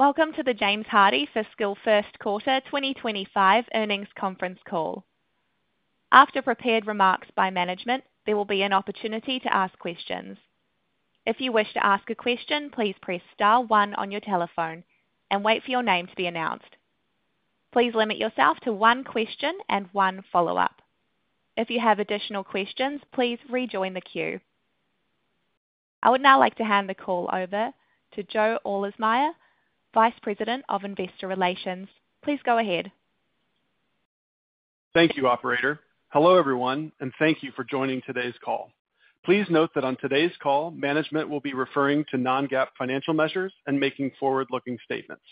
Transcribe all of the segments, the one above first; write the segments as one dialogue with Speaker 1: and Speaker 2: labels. Speaker 1: Welcome to the James Hardie Fiscal First Quarter 2025 Earnings Conference Call. After prepared remarks by management, there will be an opportunity to ask questions. If you wish to ask a question, please press star one on your telephone and wait for your name to be announced. Please limit yourself to one question and one follow-up. If you have additional questions, please rejoin the queue. I would now like to hand the call over to Joe Orlesmeyer, Vice President of Investor Relations. Please go ahead.
Speaker 2: Thank you, operator. Hello, everyone, and thank you for joining today's call. Please note that on today's call, management will be referring to non-GAAP financial measures and making forward-looking statements.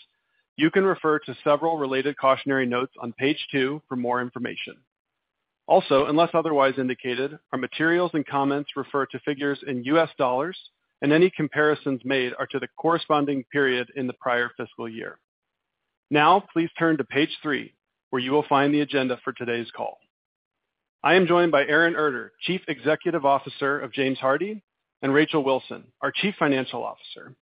Speaker 2: You can refer to several related cautionary notes on page 2 for more information. Also, unless otherwise indicated, our materials and comments refer to figures in US dollars, and any comparisons made are to the corresponding period in the prior fiscal year. Now, please turn to page 3, where you will find the agenda for today's call. I am joined by Aaron Erter, Chief Executive Officer of James Hardie, and Rachel Wilson, our Chief Financial Officer.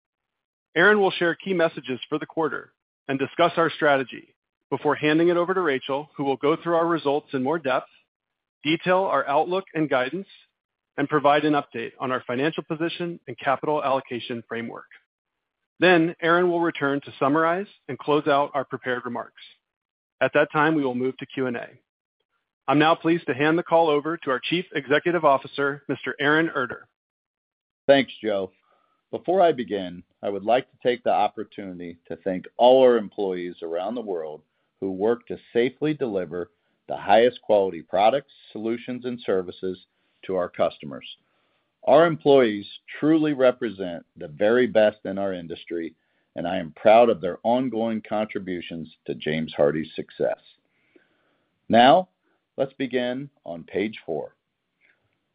Speaker 2: Aaron will share key messages for the quarter and discuss our strategy before handing it over to Rachel, who will go through our results in more depth, detail our outlook and guidance, and provide an update on our financial position and capital allocation framework. Then Aaron will return to summarize and close out our prepared remarks. At that time, we will move to Q&A. I'm now pleased to hand the call over to our Chief Executive Officer, Mr. Aaron Erter.
Speaker 3: Thanks, Joe. Before I begin, I would like to take the opportunity to thank all our employees around the world who work to safely deliver the highest quality products, solutions, and services to our customers. Our employees truly represent the very best in our industry, and I am proud of their ongoing contributions to James Hardie's success. Now, let's begin on page 4.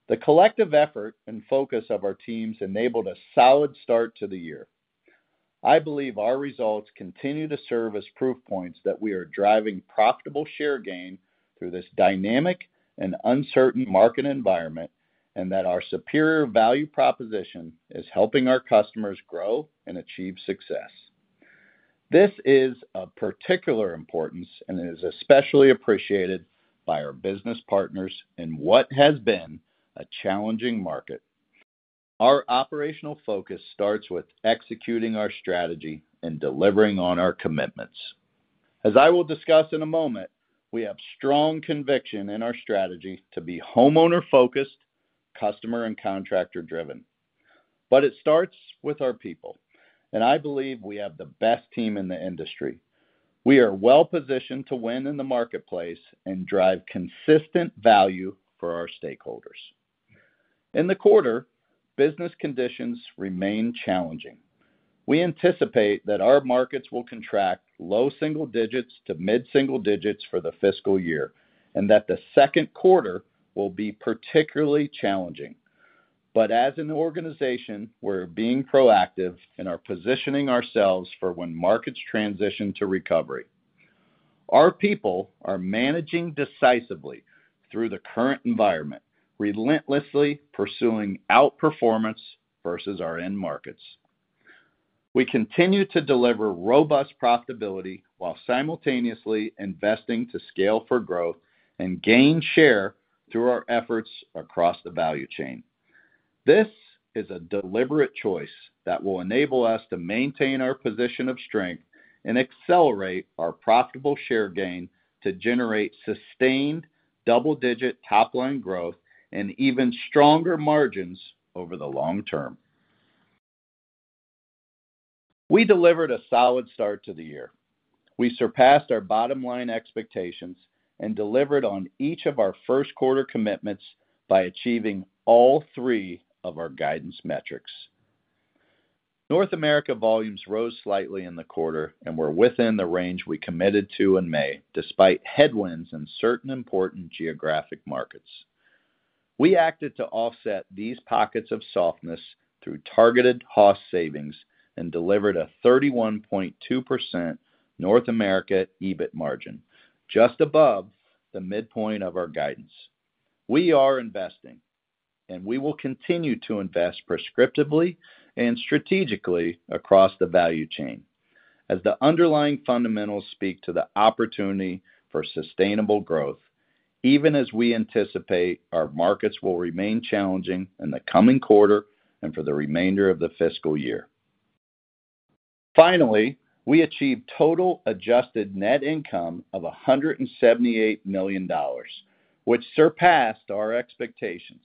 Speaker 3: The collective effort and focus of our teams enabled a solid start to the year. I believe our results continue to serve as proof points that we are driving profitable share gain through this dynamic and uncertain market environment, and that our superior value proposition is helping our customers grow and achieve success. This is of particular importance and is especially appreciated by our business partners in what has been a challenging market. Our operational focus starts with executing our strategy and delivering on our commitments. As I will discuss in a moment, we have strong conviction in our strategy to be homeowner-focused, customer and contractor-driven. But it starts with our people, and I believe we have the best team in the industry. We are well-positioned to win in the marketplace and drive consistent value for our stakeholders. In the quarter, business conditions remain challenging. We anticipate that our markets will contract low single digits to mid-single digits for the fiscal year, and that the second quarter will be particularly challenging. But as an organization, we're being proactive and are positioning ourselves for when markets transition to recovery. Our people are managing decisively through the current environment, relentlessly pursuing outperformance versus our end markets. We continue to deliver robust profitability while simultaneously investing to scale for growth and gain share through our efforts across the value chain. This is a deliberate choice that will enable us to maintain our position of strength and accelerate our profitable share gain to generate sustained double-digit top-line growth and even stronger margins over the long term. We delivered a solid start to the year. We surpassed our bottom-line expectations and delivered on each of our first quarter commitments by achieving all three of our guidance metrics. North America volumes rose slightly in the quarter and were within the range we committed to in May, despite headwinds in certain important geographic markets. We acted to offset these pockets of softness through targeted cost savings and delivered a 31.2% North America EBIT margin, just above the midpoint of our guidance. We are investing, and we will continue to invest prescriptively and strategically across the value chain, as the underlying fundamentals speak to the opportunity for sustainable growth, even as we anticipate our markets will remain challenging in the coming quarter and for the remainder of the fiscal year. Finally, we achieved total Adjusted Net Income of $178 million, which surpassed our expectations,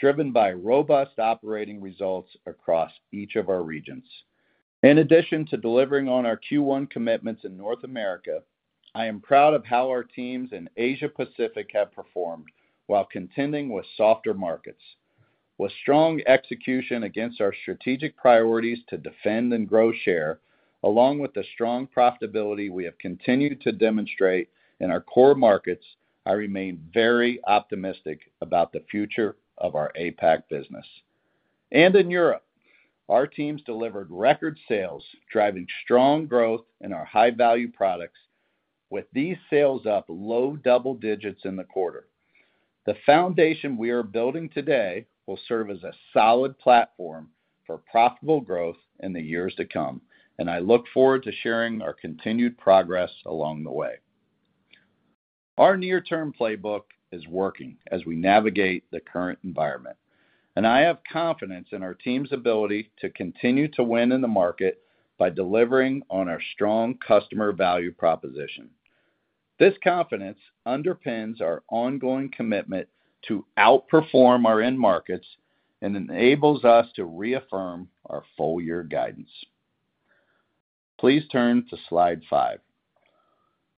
Speaker 3: driven by robust operating results across each of our regions. In addition to delivering on our Q1 commitments in North America, I am proud of how our teams in Asia Pacific have performed while contending with softer markets. With strong execution against our strategic priorities to defend and grow share, along with the strong profitability we have continued to demonstrate in our core markets, I remain very optimistic about the future of our APAC business. In Europe, our teams delivered record sales, driving strong growth in our high-value products, with these sales up low double digits in the quarter. The foundation we are building today will serve as a solid platform for profitable growth in the years to come, and I look forward to sharing our continued progress along the way. Our near-term playbook is working as we navigate the current environment, and I have confidence in our team's ability to continue to win in the market by delivering on our strong customer value proposition. This confidence underpins our ongoing commitment to outperform our end markets and enables us to reaffirm our full year guidance. Please turn to slide five.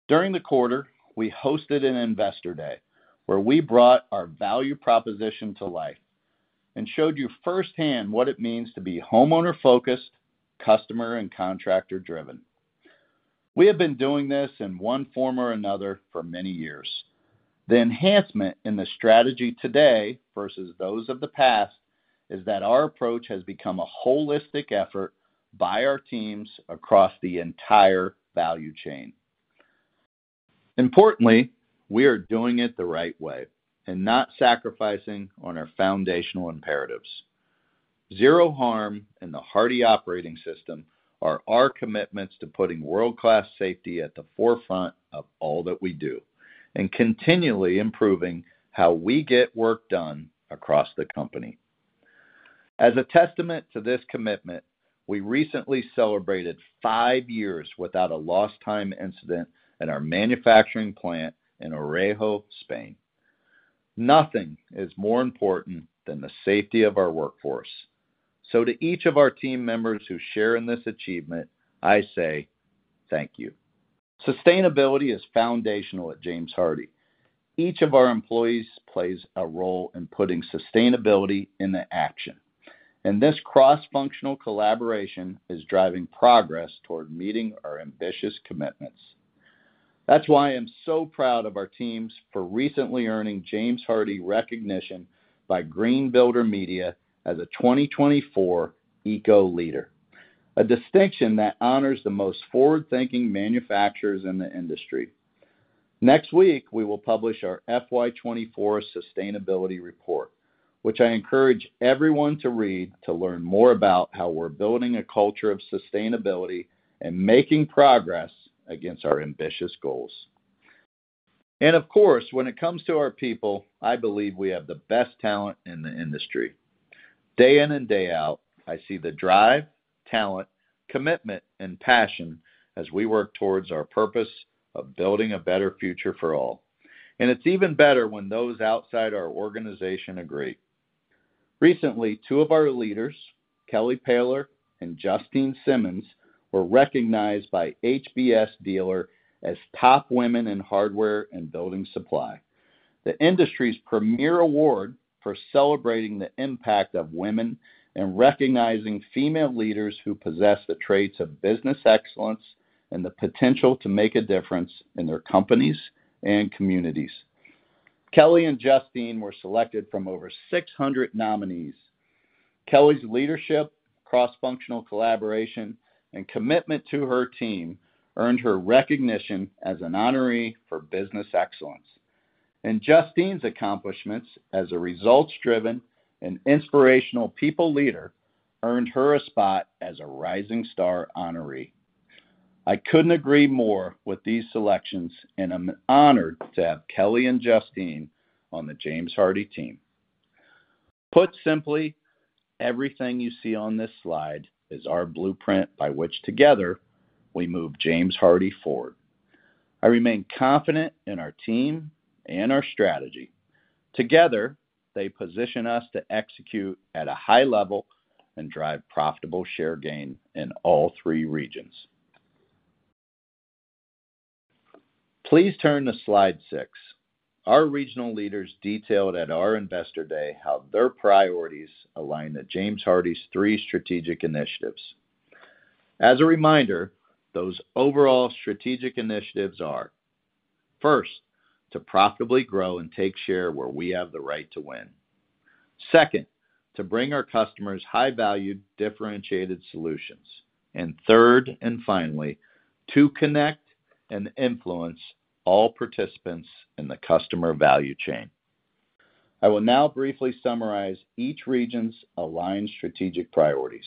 Speaker 3: During the quarter, we hosted an Investor Day, where we brought our value proposition to life and showed you firsthand what it means to be homeowner-focused, customer and contractor-driven. We have been doing this in one form or another for many years. The enhancement in the strategy today versus those of the past, is that our approach has become a holistic effort by our teams across the entire value chain. Importantly, we are doing it the right way and not sacrificing on our foundational imperatives. Zero Harm and the Hardie Operating System are our commitments to putting world-class safety at the forefront of all that we do, and continually improving how we get work done across the company. As a testament to this commitment, we recently celebrated five years without a lost time incident at our manufacturing plant in Orejo, Spain. Nothing is more important than the safety of our workforce. So to each of our team members who share in this achievement, I say thank you. Sustainability is foundational at James Hardie. Each of our employees plays a role in putting sustainability into action, and this cross-functional collaboration is driving progress toward meeting our ambitious commitments. That's why I'm so proud of our teams for recently earning James Hardie recognition by Green Builder Media as a 2024 Eco Leader, a distinction that honors the most forward-thinking manufacturers in the industry. Next week, we will publish our FY 2024 sustainability report, which I encourage everyone to read to learn more about how we're building a culture of sustainability and making progress against our ambitious goals. And of course, when it comes to our people, I believe we have the best talent in the industry. Day in and day out, I see the drive, talent, commitment, and passion as we work towards our purpose of building a better future for all. And it's even better when those outside our organization agree. Recently, two of our leaders, Kelly Paylor and Justine Simmons, were recognized by HBS Dealer as Top Women in Hardware and Building Supply. The industry's premier award for celebrating the impact of women and recognizing female leaders who possess the traits of business excellence and the potential to make a difference in their companies and communities. Kelly and Justine were selected from over 600 nominees. Kelly's leadership, cross-functional collaboration, and commitment to her team earned her recognition as an honoree for Business Excellence. Justine's accomplishments as a results-driven and inspirational people leader earned her a spot as a Rising Star honoree. I couldn't agree more with these selections, and I'm honored to have Kelly and Justine on the James Hardie team. Put simply, everything you see on this slide is our blueprint by which together we move James Hardie forward. I remain confident in our team and our strategy. Together, they position us to execute at a high level and drive profitable share gain in all three regions. Please turn to slide 6. Our regional leaders detailed at our Investor Day how their priorities align to James Hardie's three strategic initiatives. As a reminder, those overall strategic initiatives are: first, to profitably grow and take share where we have the right to win. Second, to bring our customers high-value, differentiated solutions. And third and finally, to connect and influence all participants in the customer value chain. I will now briefly summarize each region's aligned strategic priorities.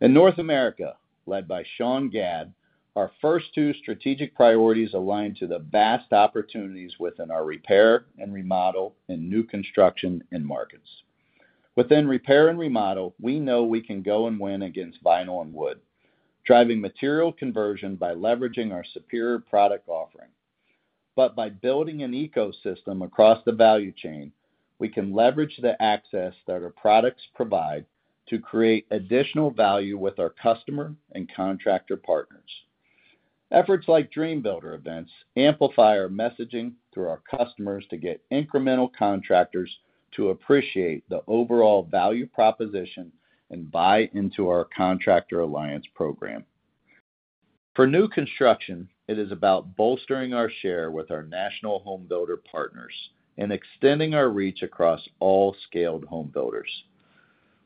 Speaker 3: In North America, led by Sean Gadd, our first two strategic priorities align to the vast opportunities within our repair and remodel and new construction end markets. Within Repair and Remodel, we know we can go and win against vinyl and wood, driving material conversion by leveraging our superior product offering. But by building an ecosystem across the value chain, we can leverage the access that our products provide to create additional value with our customer and contractor partners. Efforts like DreamBuilder events amplify our messaging to our customers to get incremental contractors to appreciate the overall value proposition and buy into our Contractor Alliance Program. For new construction, it is about bolstering our share with our national home builder partners and extending our reach across all scaled home builders....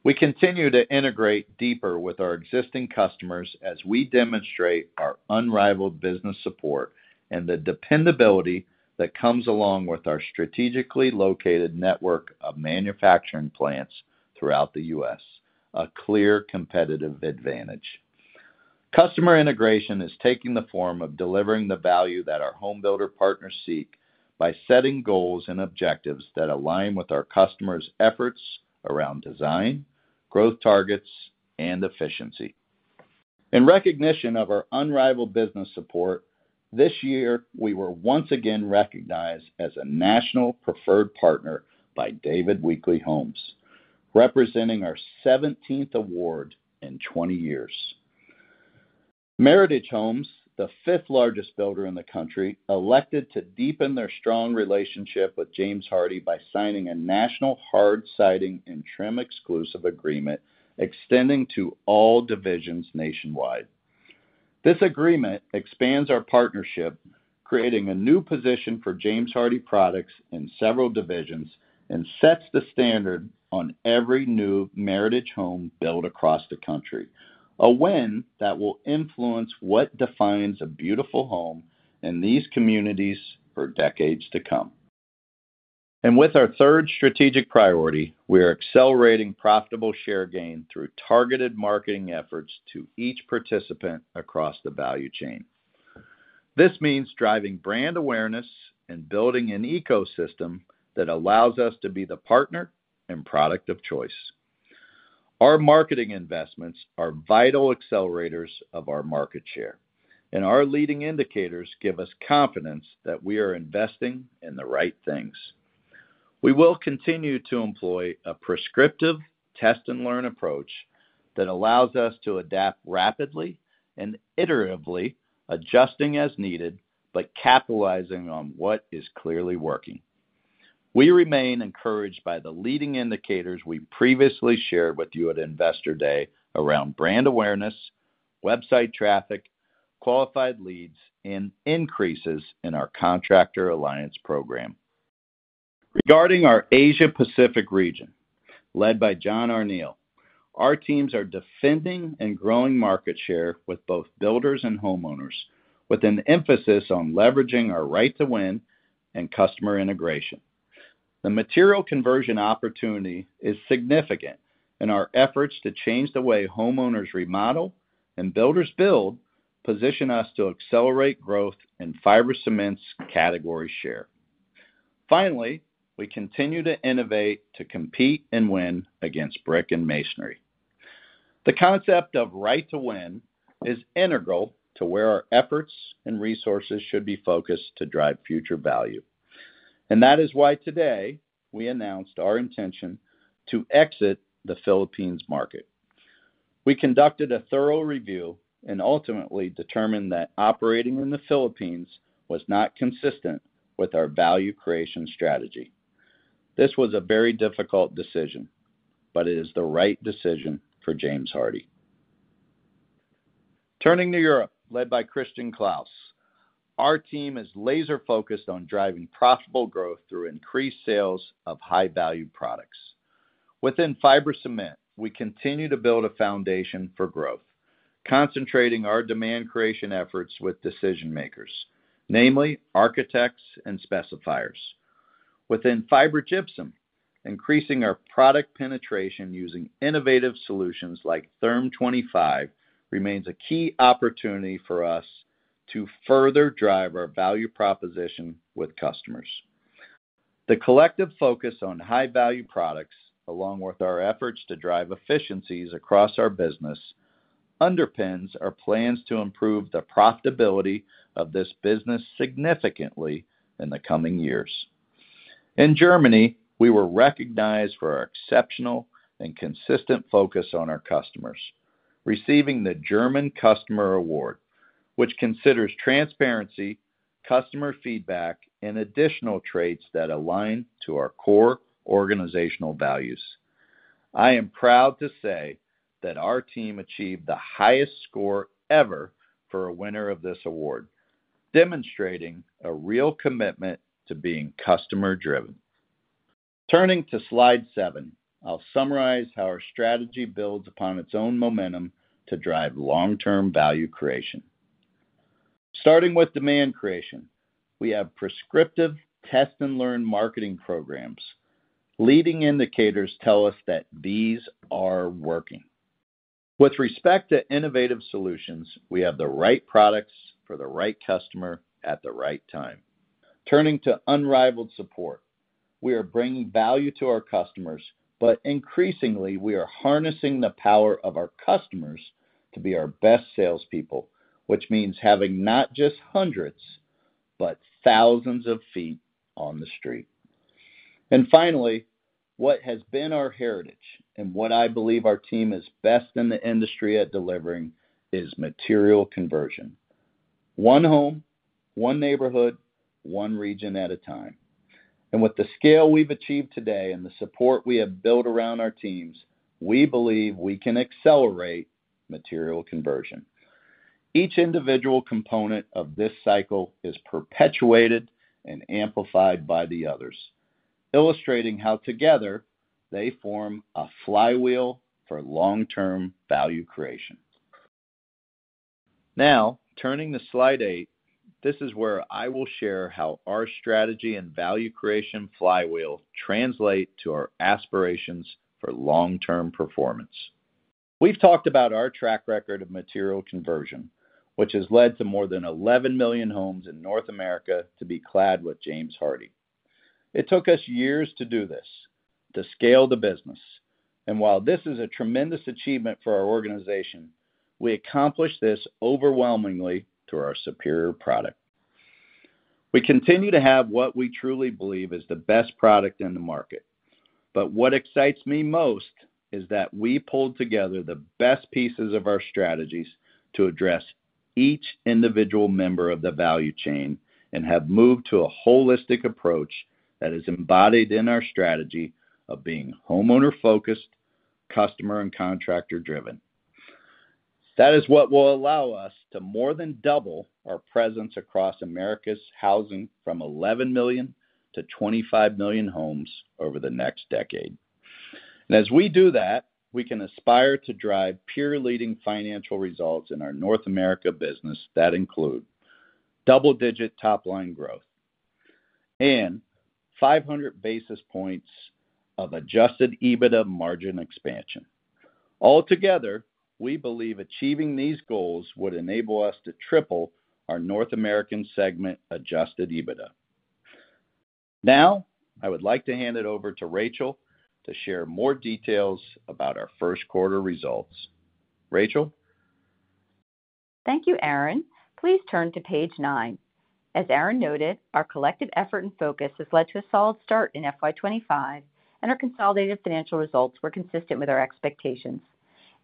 Speaker 3: We continue to integrate deeper with our existing customers as we demonstrate our unrivaled business support and the dependability that comes along with our strategically located network of manufacturing plants throughout the U.S., a clear competitive advantage. Customer integration is taking the form of delivering the value that our home builder partners seek by setting goals and objectives that align with our customers' efforts around design, growth targets, and efficiency. In recognition of our unrivaled business support, this year, we were once again recognized as a national preferred partner by David Weekley Homes, representing our 17th award in 20 years. Meritage Homes, the 5th-largest builder in the country, elected to deepen their strong relationship with James Hardie by signing a national hard siding and trim exclusive agreement extending to all divisions nationwide. This agreement expands our partnership, creating a new position for James Hardie products in several divisions and sets the standard on every new Meritage home built across the country, a win that will influence what defines a beautiful home in these communities for decades to come. With our third strategic priority, we are accelerating profitable share gain through targeted marketing efforts to each participant across the value chain. This means driving brand awareness and building an ecosystem that allows us to be the partner and product of choice. Our marketing investments are vital accelerators of our market share, and our leading indicators give us confidence that we are investing in the right things. We will continue to employ a prescriptive test-and-learn approach that allows us to adapt rapidly and iteratively, adjusting as needed, but capitalizing on what is clearly working. We remain encouraged by the leading indicators we previously shared with you at Investor Day around brand awareness, website traffic, qualified leads, and increases in our Contractor Alliance Program. Regarding our Asia Pacific region, led by John Arneil, our teams are defending and growing market share with both builders and homeowners, with an emphasis on leveraging our Right to Win and customer integration. The material conversion opportunity is significant, and our efforts to change the way homeowners remodel and builders build position us to accelerate growth in fiber cements category share. Finally, we continue to innovate, to compete, and win against brick and masonry. The concept of Right to Win is integral to where our efforts and resources should be focused to drive future value. And that is why today we announced our intention to exit the Philippines market. We conducted a thorough review and ultimately determined that operating in the Philippines was not consistent with our value creation strategy. This was a very difficult decision, but it is the right decision for James Hardie. Turning to Europe, led by Christian Claus, our team is laser-focused on driving profitable growth through increased sales of high-value products. Within fiber cement, we continue to build a foundation for growth, concentrating our demand creation efforts with decision-makers, namely architects and specifiers. Within fiber gypsum, increasing our product penetration using innovative solutions like Therm25 remains a key opportunity for us to further drive our value proposition with customers. The collective focus on high-value products, along with our efforts to drive efficiencies across our business, underpins our plans to improve the profitability of this business significantly in the coming years. In Germany, we were recognized for our exceptional and consistent focus on our customers, receiving the German Customer Award, which considers transparency, customer feedback, and additional traits that align to our core organizational values. I am proud to say that our team achieved the highest score ever for a winner of this award, demonstrating a real commitment to being customer-driven. Turning to slide 7, I'll summarize how our strategy builds upon its own momentum to drive long-term value creation. Starting with demand creation, we have prescriptive test-and-learn marketing programs. Leading indicators tell us that these are working. With respect to innovative solutions, we have the right products for the right customer at the right time. Turning to unrivaled support, we are bringing value to our customers, but increasingly, we are harnessing the power of our customers to be our best salespeople, which means having not just hundreds, but thousands of feet on the street. And finally, what has been our heritage and what I believe our team is best in the industry at delivering is material conversion. One home, one neighborhood, one region at a time. With the scale we've achieved today and the support we have built around our teams, we believe we can accelerate material conversion.... Each individual component of this cycle is perpetuated and amplified by the others, illustrating how together, they form a flywheel for long-term value creation. Now, turning to slide 8, this is where I will share how our strategy and value creation flywheel translate to our aspirations for long-term performance. We've talked about our track record of material conversion, which has led to more than 11 million homes in North America to be clad with James Hardie. It took us years to do this, to scale the business, and while this is a tremendous achievement for our organization, we accomplished this overwhelmingly through our superior product. We continue to have what we truly believe is the best product in the market. But what excites me most is that we pulled together the best pieces of our strategies to address each individual member of the value chain and have moved to a holistic approach that is embodied in our strategy of being homeowner-focused, customer and contractor-driven. That is what will allow us to more than double our presence across America's housing from 11 million to 25 million homes over the next decade. As we do that, we can aspire to drive peer-leading financial results in our North America business that include double-digit top-line growth and 500 basis points of Adjusted EBITDA margin expansion. Altogether, we believe achieving these goals would enable us to triple our North American segment Adjusted EBITDA. Now, I would like to hand it over to Rachel to share more details about our first quarter results. Rachel?
Speaker 4: Thank you, Aaron. Please turn to page 9. As Aaron noted, our collective effort and focus has led to a solid start in FY25, and our consolidated financial results were consistent with our expectations.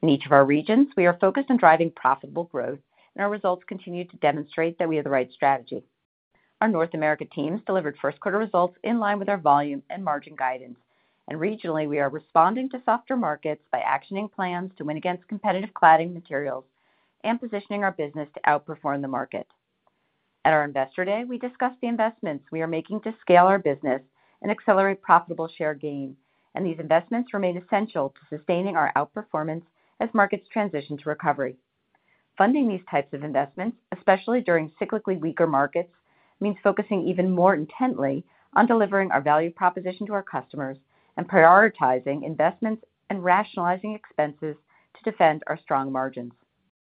Speaker 4: In each of our regions, we are focused on driving profitable growth, and our results continue to demonstrate that we have the right strategy. Our North America teams delivered first quarter results in line with our volume and margin guidance, and regionally, we are responding to softer markets by actioning plans to win against competitive cladding materials and positioning our business to outperform the market. At our Investor Day, we discussed the investments we are making to scale our business and accelerate profitable share gain, and these investments remain essential to sustaining our outperformance as markets transition to recovery. Funding these types of investments, especially during cyclically weaker markets, means focusing even more intently on delivering our value proposition to our customers and prioritizing investments and rationalizing expenses to defend our strong margins.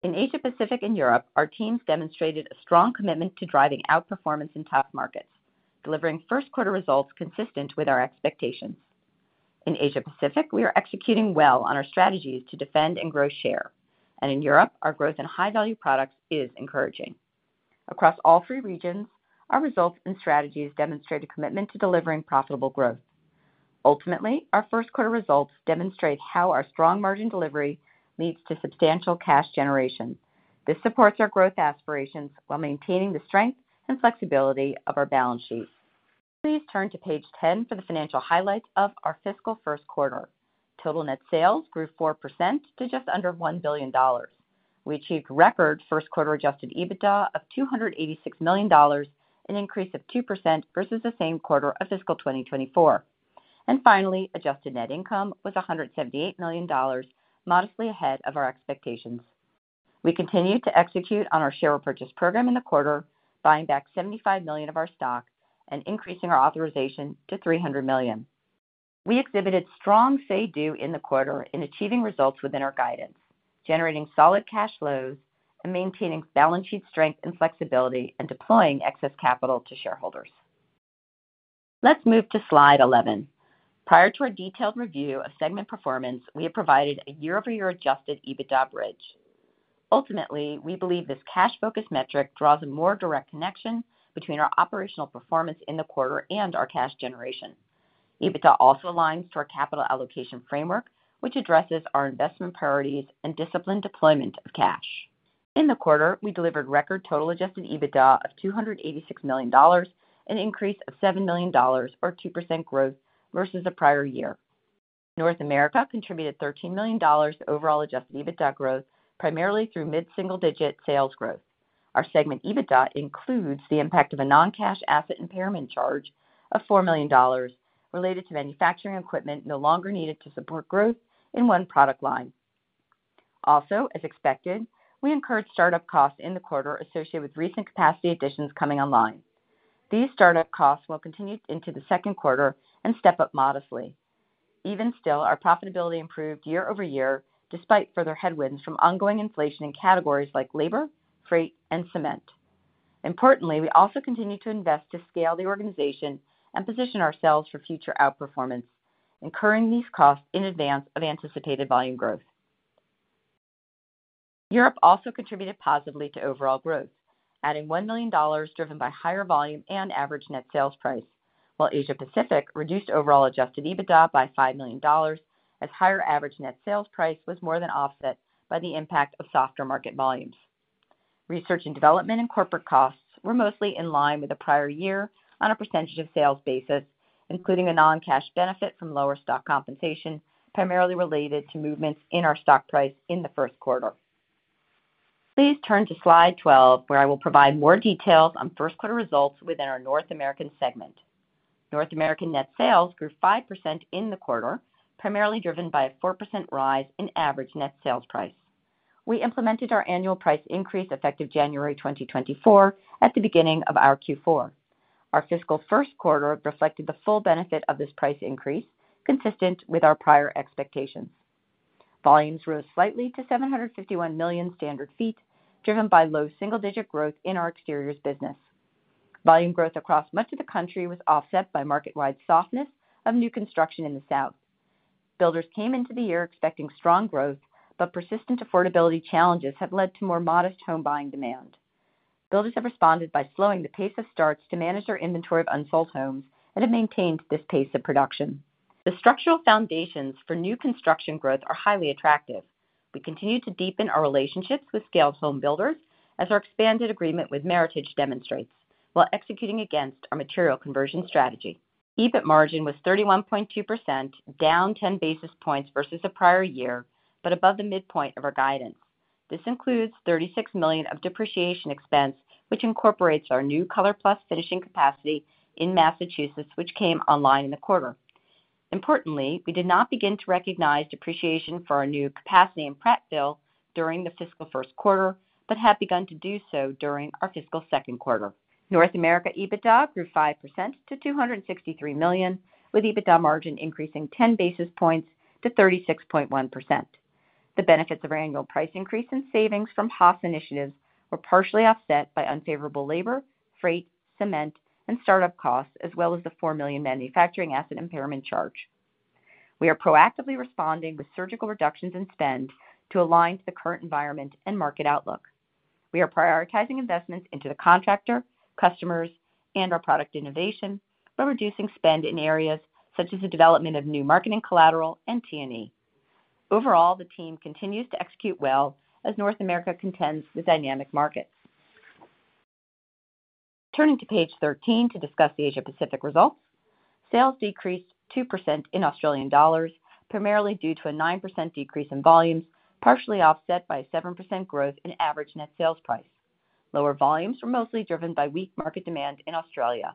Speaker 4: In Asia Pacific and Europe, our teams demonstrated a strong commitment to driving outperformance in tough markets, delivering first quarter results consistent with our expectations. In Asia Pacific, we are executing well on our strategies to defend and grow share, and in Europe, our growth in high-value products is encouraging. Across all three regions, our results and strategies demonstrate a commitment to delivering profitable growth. Ultimately, our first quarter results demonstrate how our strong margin delivery leads to substantial cash generation. This supports our growth aspirations while maintaining the strength and flexibility of our balance sheet. Please turn to page 10 for the financial highlights of our fiscal first quarter. Total net sales grew 4% to just under $1 billion. We achieved record first quarter adjusted EBITDA of $286 million, an increase of 2% versus the same quarter of fiscal 2024. Finally, adjusted net income was $178 million, modestly ahead of our expectations. We continued to execute on our share purchase program in the quarter, buying back $75 million of our stock and increasing our authorization to $300 million. We exhibited strong say-do in the quarter in achieving results within our guidance, generating solid cash flows and maintaining balance sheet strength and flexibility, and deploying excess capital to shareholders. Let's move to slide 11. Prior to our detailed review of segment performance, we have provided a year-over-year adjusted EBITDA bridge. Ultimately, we believe this cash-focused metric draws a more direct connection between our operational performance in the quarter and our cash generation. EBITDA also aligns to our capital allocation framework, which addresses our investment priorities and disciplined deployment of cash. In the quarter, we delivered record total adjusted EBITDA of $286 million, an increase of $7 million or 2% growth versus the prior year. North America contributed $13 million to overall adjusted EBITDA growth, primarily through mid-single-digit sales growth. Our segment EBITDA includes the impact of a non-cash asset impairment charge of $4 million related to manufacturing equipment no longer needed to support growth in one product line. Also, as expected, we incurred start-up costs in the quarter associated with recent capacity additions coming online. These start-up costs will continue into the second quarter and step up modestly. Even still, our profitability improved year-over-year, despite further headwinds from ongoing inflation in categories like labor, freight, and cement. Importantly, we also continued to invest to scale the organization and position ourselves for future outperformance, incurring these costs in advance of anticipated volume growth. Europe also contributed positively to overall growth, adding $1 million, driven by higher volume and average net sales price, while Asia Pacific reduced overall Adjusted EBITDA by $5 million, as higher average net sales price was more than offset by the impact of softer market volumes. Research and development and corporate costs were mostly in line with the prior year on a percentage of sales basis... including a non-cash benefit from lower stock compensation, primarily related to movements in our stock price in the first quarter. Please turn to slide 12, where I will provide more details on first quarter results within our North American segment. North American net sales grew 5% in the quarter, primarily driven by a 4% rise in average net sales price. We implemented our annual price increase, effective January 2024, at the beginning of our Q4. Our fiscal first quarter reflected the full benefit of this price increase, consistent with our prior expectations. Volumes rose slightly to 751 million standard feet, driven by low single-digit growth in our exteriors business. Volume growth across much of the country was offset by market-wide softness of new construction in the South. Builders came into the year expecting strong growth, but persistent affordability challenges have led to more modest home buying demand. Builders have responded by slowing the pace of starts to manage their inventory of unsold homes and have maintained this pace of production. The structural foundations for new construction growth are highly attractive. We continue to deepen our relationships with scaled home builders, as our expanded agreement with Meritage demonstrates, while executing against our material conversion strategy. EBIT margin was 31.2%, down 10 basis points versus the prior year, but above the midpoint of our guidance. This includes $36 million of depreciation expense, which incorporates our new ColorPlus finishing capacity in Massachusetts, which came online in the quarter. Importantly, we did not begin to recognize depreciation for our new capacity in Prattville during the fiscal first quarter, but have begun to do so during our fiscal second quarter. North America EBITDA grew 5% to $263 million, with EBITDA margin increasing 10 basis points to 36.1%. The benefits of our annual price increase in savings from HMOS initiatives were partially offset by unfavorable labor, freight, cement, and startup costs, as well as the $4 million manufacturing asset impairment charge. We are proactively responding with surgical reductions in spend to align to the current environment and market outlook. We are prioritizing investments into the contractor, customers, and our product innovation, while reducing spend in areas such as the development of new marketing collateral and T&E. Overall, the team continues to execute well as North America contends with dynamic markets. Turning to page 13 to discuss the Asia-Pacific results. Sales decreased 2% in Australian dollars, primarily due to a 9% decrease in volumes, partially offset by a 7% growth in average net sales price. Lower volumes were mostly driven by weak market demand in Australia.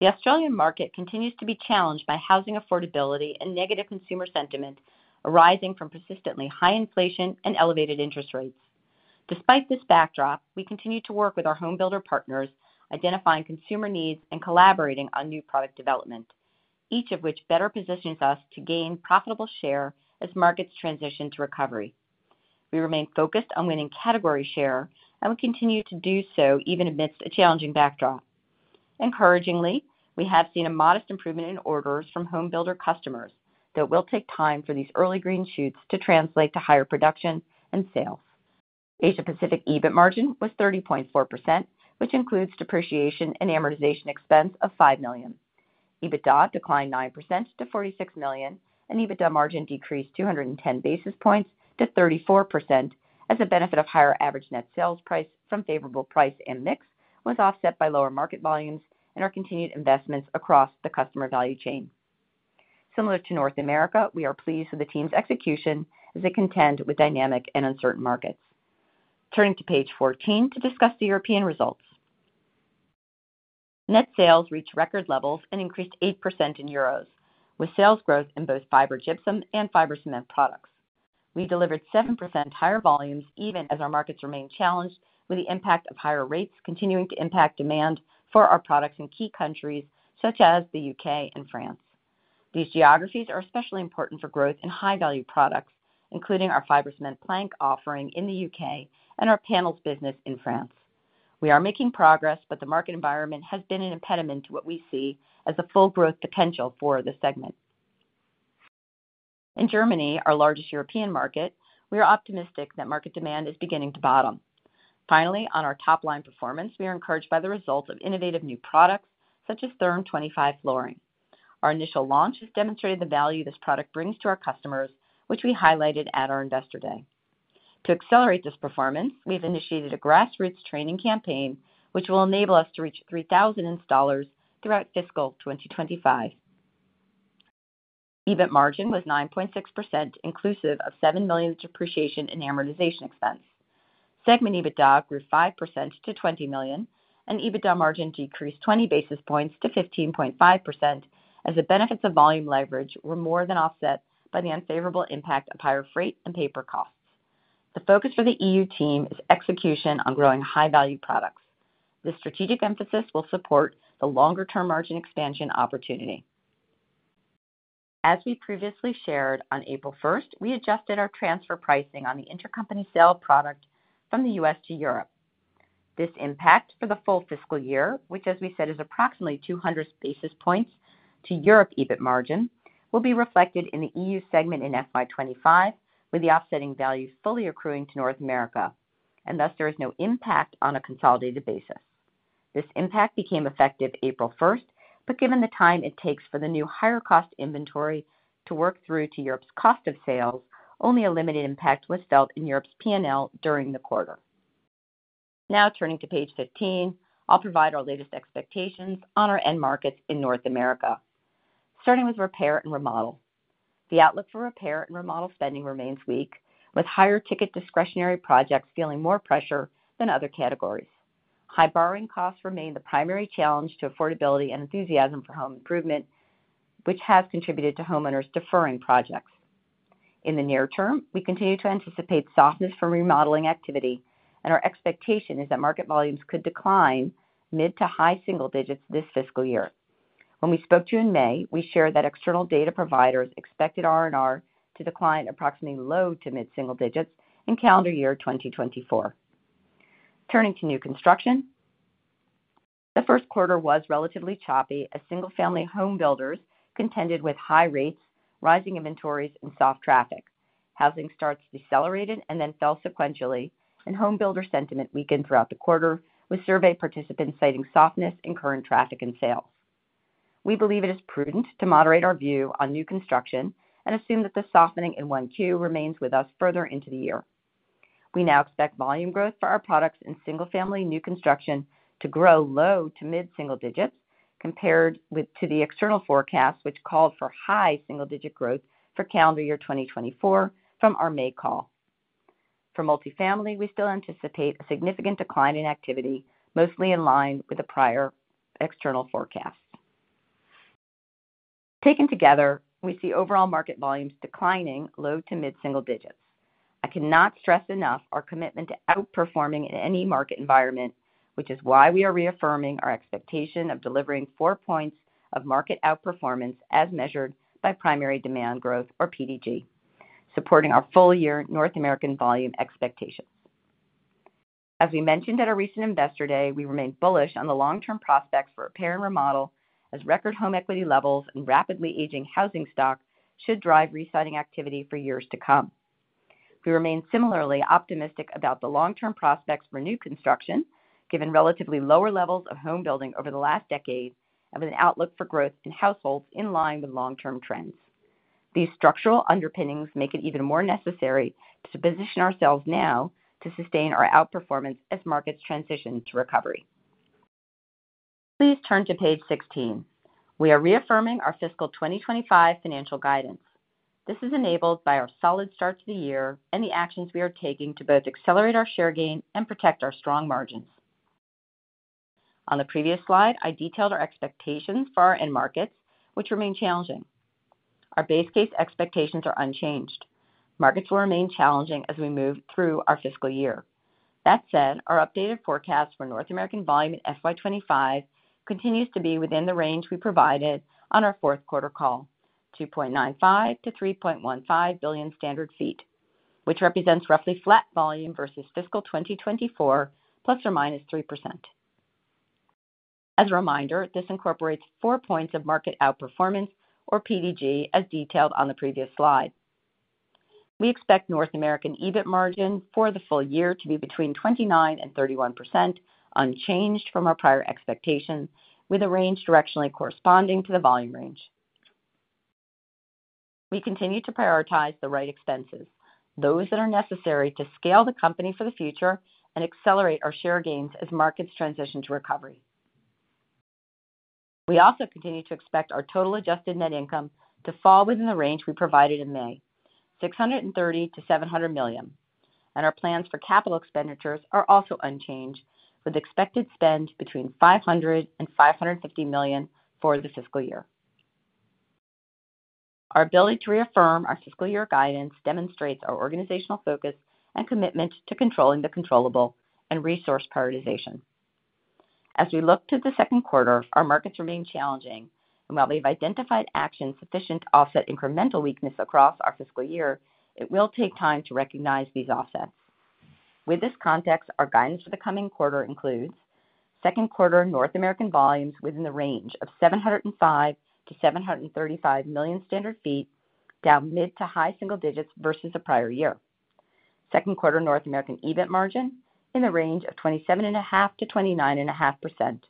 Speaker 4: The Australian market continues to be challenged by housing affordability and negative consumer sentiment, arising from persistently high inflation and elevated interest rates. Despite this backdrop, we continue to work with our home builder partners, identifying consumer needs and collaborating on new product development, each of which better positions us to gain profitable share as markets transition to recovery. We remain focused on winning category share, and we continue to do so even amidst a challenging backdrop. Encouragingly, we have seen a modest improvement in orders from home builder customers, that will take time for these early green shoots to translate to higher production and sales. Asia-Pacific EBIT margin was 30.4%, which includes depreciation and amortization expense of 5 million. EBITDA declined 9% to 46 million, and EBITDA margin decreased 210 basis points to 34%, as the benefit of higher average net sales price from favorable price and mix was offset by lower market volumes and our continued investments across the customer value chain. Similar to North America, we are pleased with the team's execution as they contend with dynamic and uncertain markets. Turning to page 14 to discuss the European results. Net sales reached record levels and increased 8% in euros, with sales growth in both fiber gypsum and fiber cement products. We delivered 7% higher volumes, even as our markets remained challenged, with the impact of higher rates continuing to impact demand for our products in key countries such as the U.K. and France. These geographies are especially important for growth in high-value products, including our fiber cement plank offering in the U.K. and our panels business in France. We are making progress, but the market environment has been an impediment to what we see as the full growth potential for this segment. In Germany, our largest European market, we are optimistic that market demand is beginning to bottom. Finally, on our top-line performance, we are encouraged by the results of innovative new products, such as Therm25 flooring. Our initial launch has demonstrated the value this product brings to our customers, which we highlighted at our Investor Day. To accelerate this performance, we've initiated a grassroots training campaign, which will enable us to reach 3,000 installers throughout fiscal 2025. EBIT margin was 9.6%, inclusive of $7 million depreciation and amortization expense. Segment EBITDA grew 5% to $20 million, and EBITDA margin decreased 20 basis points to 15.5%, as the benefits of volume leverage were more than offset by the unfavorable impact of higher freight and paper costs. The focus for the EU team is execution on growing high-value products. This strategic emphasis will support the longer-term margin expansion opportunity. As we previously shared, on April first, we adjusted our transfer pricing on the intercompany sale product from the US to Europe. This impact for the full fiscal year, which, as we said, is approximately 200 basis points to Europe EBIT margin, will be reflected in the EU segment in FY 2025, with the offsetting value fully accruing to North America, and thus there is no impact on a consolidated basis. This impact became effective April 1, but given the time it takes for the new higher-cost inventory to work through to Europe's cost of sales, only a limited impact was felt in Europe's P&L during the quarter. Now turning to page 15, I'll provide our latest expectations on our end markets in North America. Starting with repair and remodel. The outlook for repair and remodel spending remains weak, with higher ticket discretionary projects feeling more pressure than other categories. High borrowing costs remain the primary challenge to affordability and enthusiasm for home improvement, which has contributed to homeowners deferring projects. In the near term, we continue to anticipate softness from remodeling activity, and our expectation is that market volumes could decline mid- to high-single digits this fiscal year. When we spoke to you in May, we shared that external data providers expected R&R to decline approximately low to mid single digits in calendar year 2024. Turning to new construction, the first quarter was relatively choppy as single-family home builders contended with high rates, rising inventories, and soft traffic. Housing starts decelerated and then fell sequentially, and home builder sentiment weakened throughout the quarter, with survey participants citing softness in current traffic and sales. We believe it is prudent to moderate our view on new construction and assume that the softening in 1Q remains with us further into the year. We now expect volume growth for our products in single-family new construction to grow low to mid single digits, compared to the external forecast, which called for high single-digit growth for calendar year 2024 from our May call. For multifamily, we still anticipate a significant decline in activity, mostly in line with the prior external forecast. Taken together, we see overall market volumes declining low- to mid-single digits. I cannot stress enough our commitment to outperforming in any market environment, which is why we are reaffirming our expectation of delivering 4 points of market outperformance as measured by primary demand growth, or PDG, supporting our full-year North American volume expectations. As we mentioned at our recent Investor Day, we remain bullish on the long-term prospects for repair and remodel, as record home equity levels and rapidly aging housing stock should drive residing activity for years to come. We remain similarly optimistic about the long-term prospects for new construction, given relatively lower levels of homebuilding over the last decade and with an outlook for growth in households in line with long-term trends. These structural underpinnings make it even more necessary to position ourselves now to sustain our outperformance as markets transition to recovery. Please turn to page 16. We are reaffirming our fiscal 2025 financial guidance. This is enabled by our solid start to the year and the actions we are taking to both accelerate our share gain and protect our strong margins. On the previous slide, I detailed our expectations for our end markets, which remain challenging. Our base case expectations are unchanged. Markets will remain challenging as we move through our fiscal year. That said, our updated forecast for North American volume in FY 2025 continues to be within the range we provided on our fourth quarter call, 2.95-3.15 billion square feet, which represents roughly flat volume versus fiscal 2024, ±3%. As a reminder, this incorporates four points of market outperformance, or PDG, as detailed on the previous slide. We expect North American EBIT margin for the full year to be between 29% and 31%, unchanged from our prior expectations, with a range directionally corresponding to the volume range. We continue to prioritize the right expenses, those that are necessary to scale the company for the future and accelerate our share gains as markets transition to recovery. We also continue to expect our total adjusted net income to fall within the range we provided in May, $630 million-$700 million, and our plans for capital expenditures are also unchanged, with expected spend between $500 million and $550 million for the fiscal year. Our ability to reaffirm our fiscal year guidance demonstrates our organizational focus and commitment to controlling the controllable and resource prioritization. As we look to the second quarter, our markets remain challenging, and while we've identified actions sufficient to offset incremental weakness across our fiscal year, it will take time to recognize these offsets. With this context, our guidance for the coming quarter includes second quarter North American volumes within the range of 705-735 million standard feet, down mid to high single digits versus the prior year. Second quarter North American EBIT margin in the range of 27.5%-29.5%,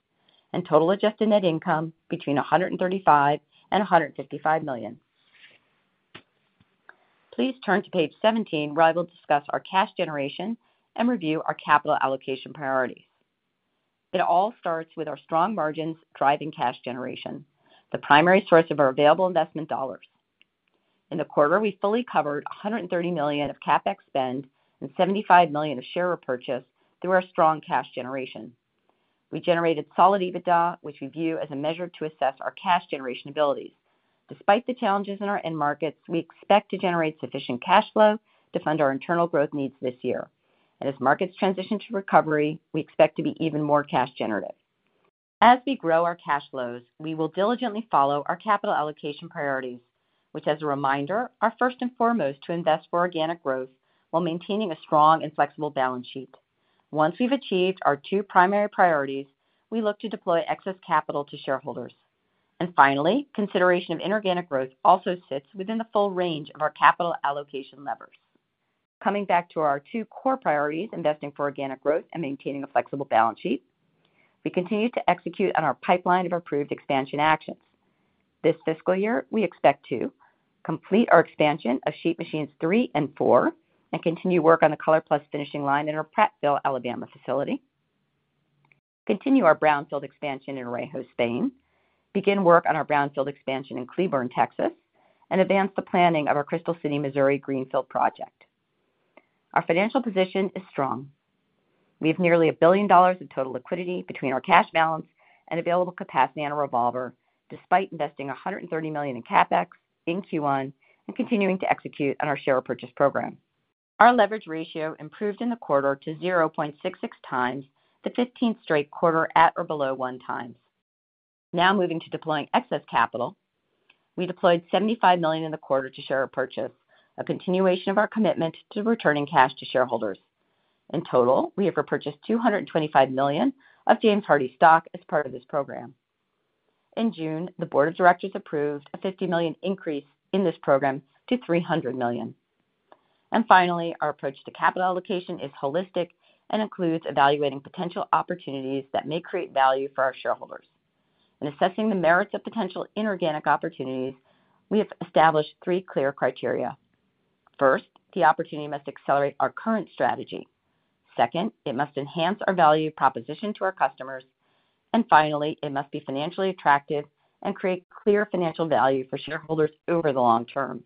Speaker 4: and total adjusted net income between $135 million and $155 million. Please turn to page 17, where I will discuss our cash generation and review our capital allocation priorities. It all starts with our strong margins driving cash generation, the primary source of our available investment dollars. In the quarter, we fully covered $130 million of CapEx spend and $75 million of share repurchase through our strong cash generation. We generated solid EBITDA, which we view as a measure to assess our cash generation abilities. Despite the challenges in our end markets, we expect to generate sufficient cash flow to fund our internal growth needs this year. As markets transition to recovery, we expect to be even more cash generative. As we grow our cash flows, we will diligently follow our capital allocation priorities, which, as a reminder, are first and foremost to invest for organic growth while maintaining a strong and flexible balance sheet. Once we've achieved our two primary priorities, we look to deploy excess capital to shareholders. Finally, consideration of inorganic growth also sits within the full range of our capital allocation levers. Coming back to our two core priorities, investing for organic growth and maintaining a flexible balance sheet, we continue to execute on our pipeline of approved expansion actions. This fiscal year, we expect to complete our expansion of sheet machines three and four and continue work on the ColorPlus finishing line in our Prattville, Alabama facility, continue our brownfield expansion in Orejó, Spain, begin work on our brownfield expansion in Cleburne, Texas, and advance the planning of our Crystal City, Missouri, greenfield project. Our financial position is strong. We have nearly $1 billion in total liquidity between our cash balance and available capacity on a revolver, despite investing $130 million in CapEx in Q1 and continuing to execute on our share repurchase program. Our leverage ratio improved in the quarter to 0.66x, the 15th straight quarter at or below 1x. Now moving to deploying excess capital. We deployed $75 million in the quarter for share repurchases, a continuation of our commitment to returning cash to shareholders. In total, we have repurchased $225 million of James Hardie stock as part of this program. In June, the board of directors approved a $50 million increase in this program to $300 million. And finally, our approach to capital allocation is holistic and includes evaluating potential opportunities that may create value for our shareholders. In assessing the merits of potential inorganic opportunities, we have established three clear criteria. First, the opportunity must accelerate our current strategy. Second, it must enhance our value proposition to our customers. And finally, it must be financially attractive and create clear financial value for shareholders over the long term.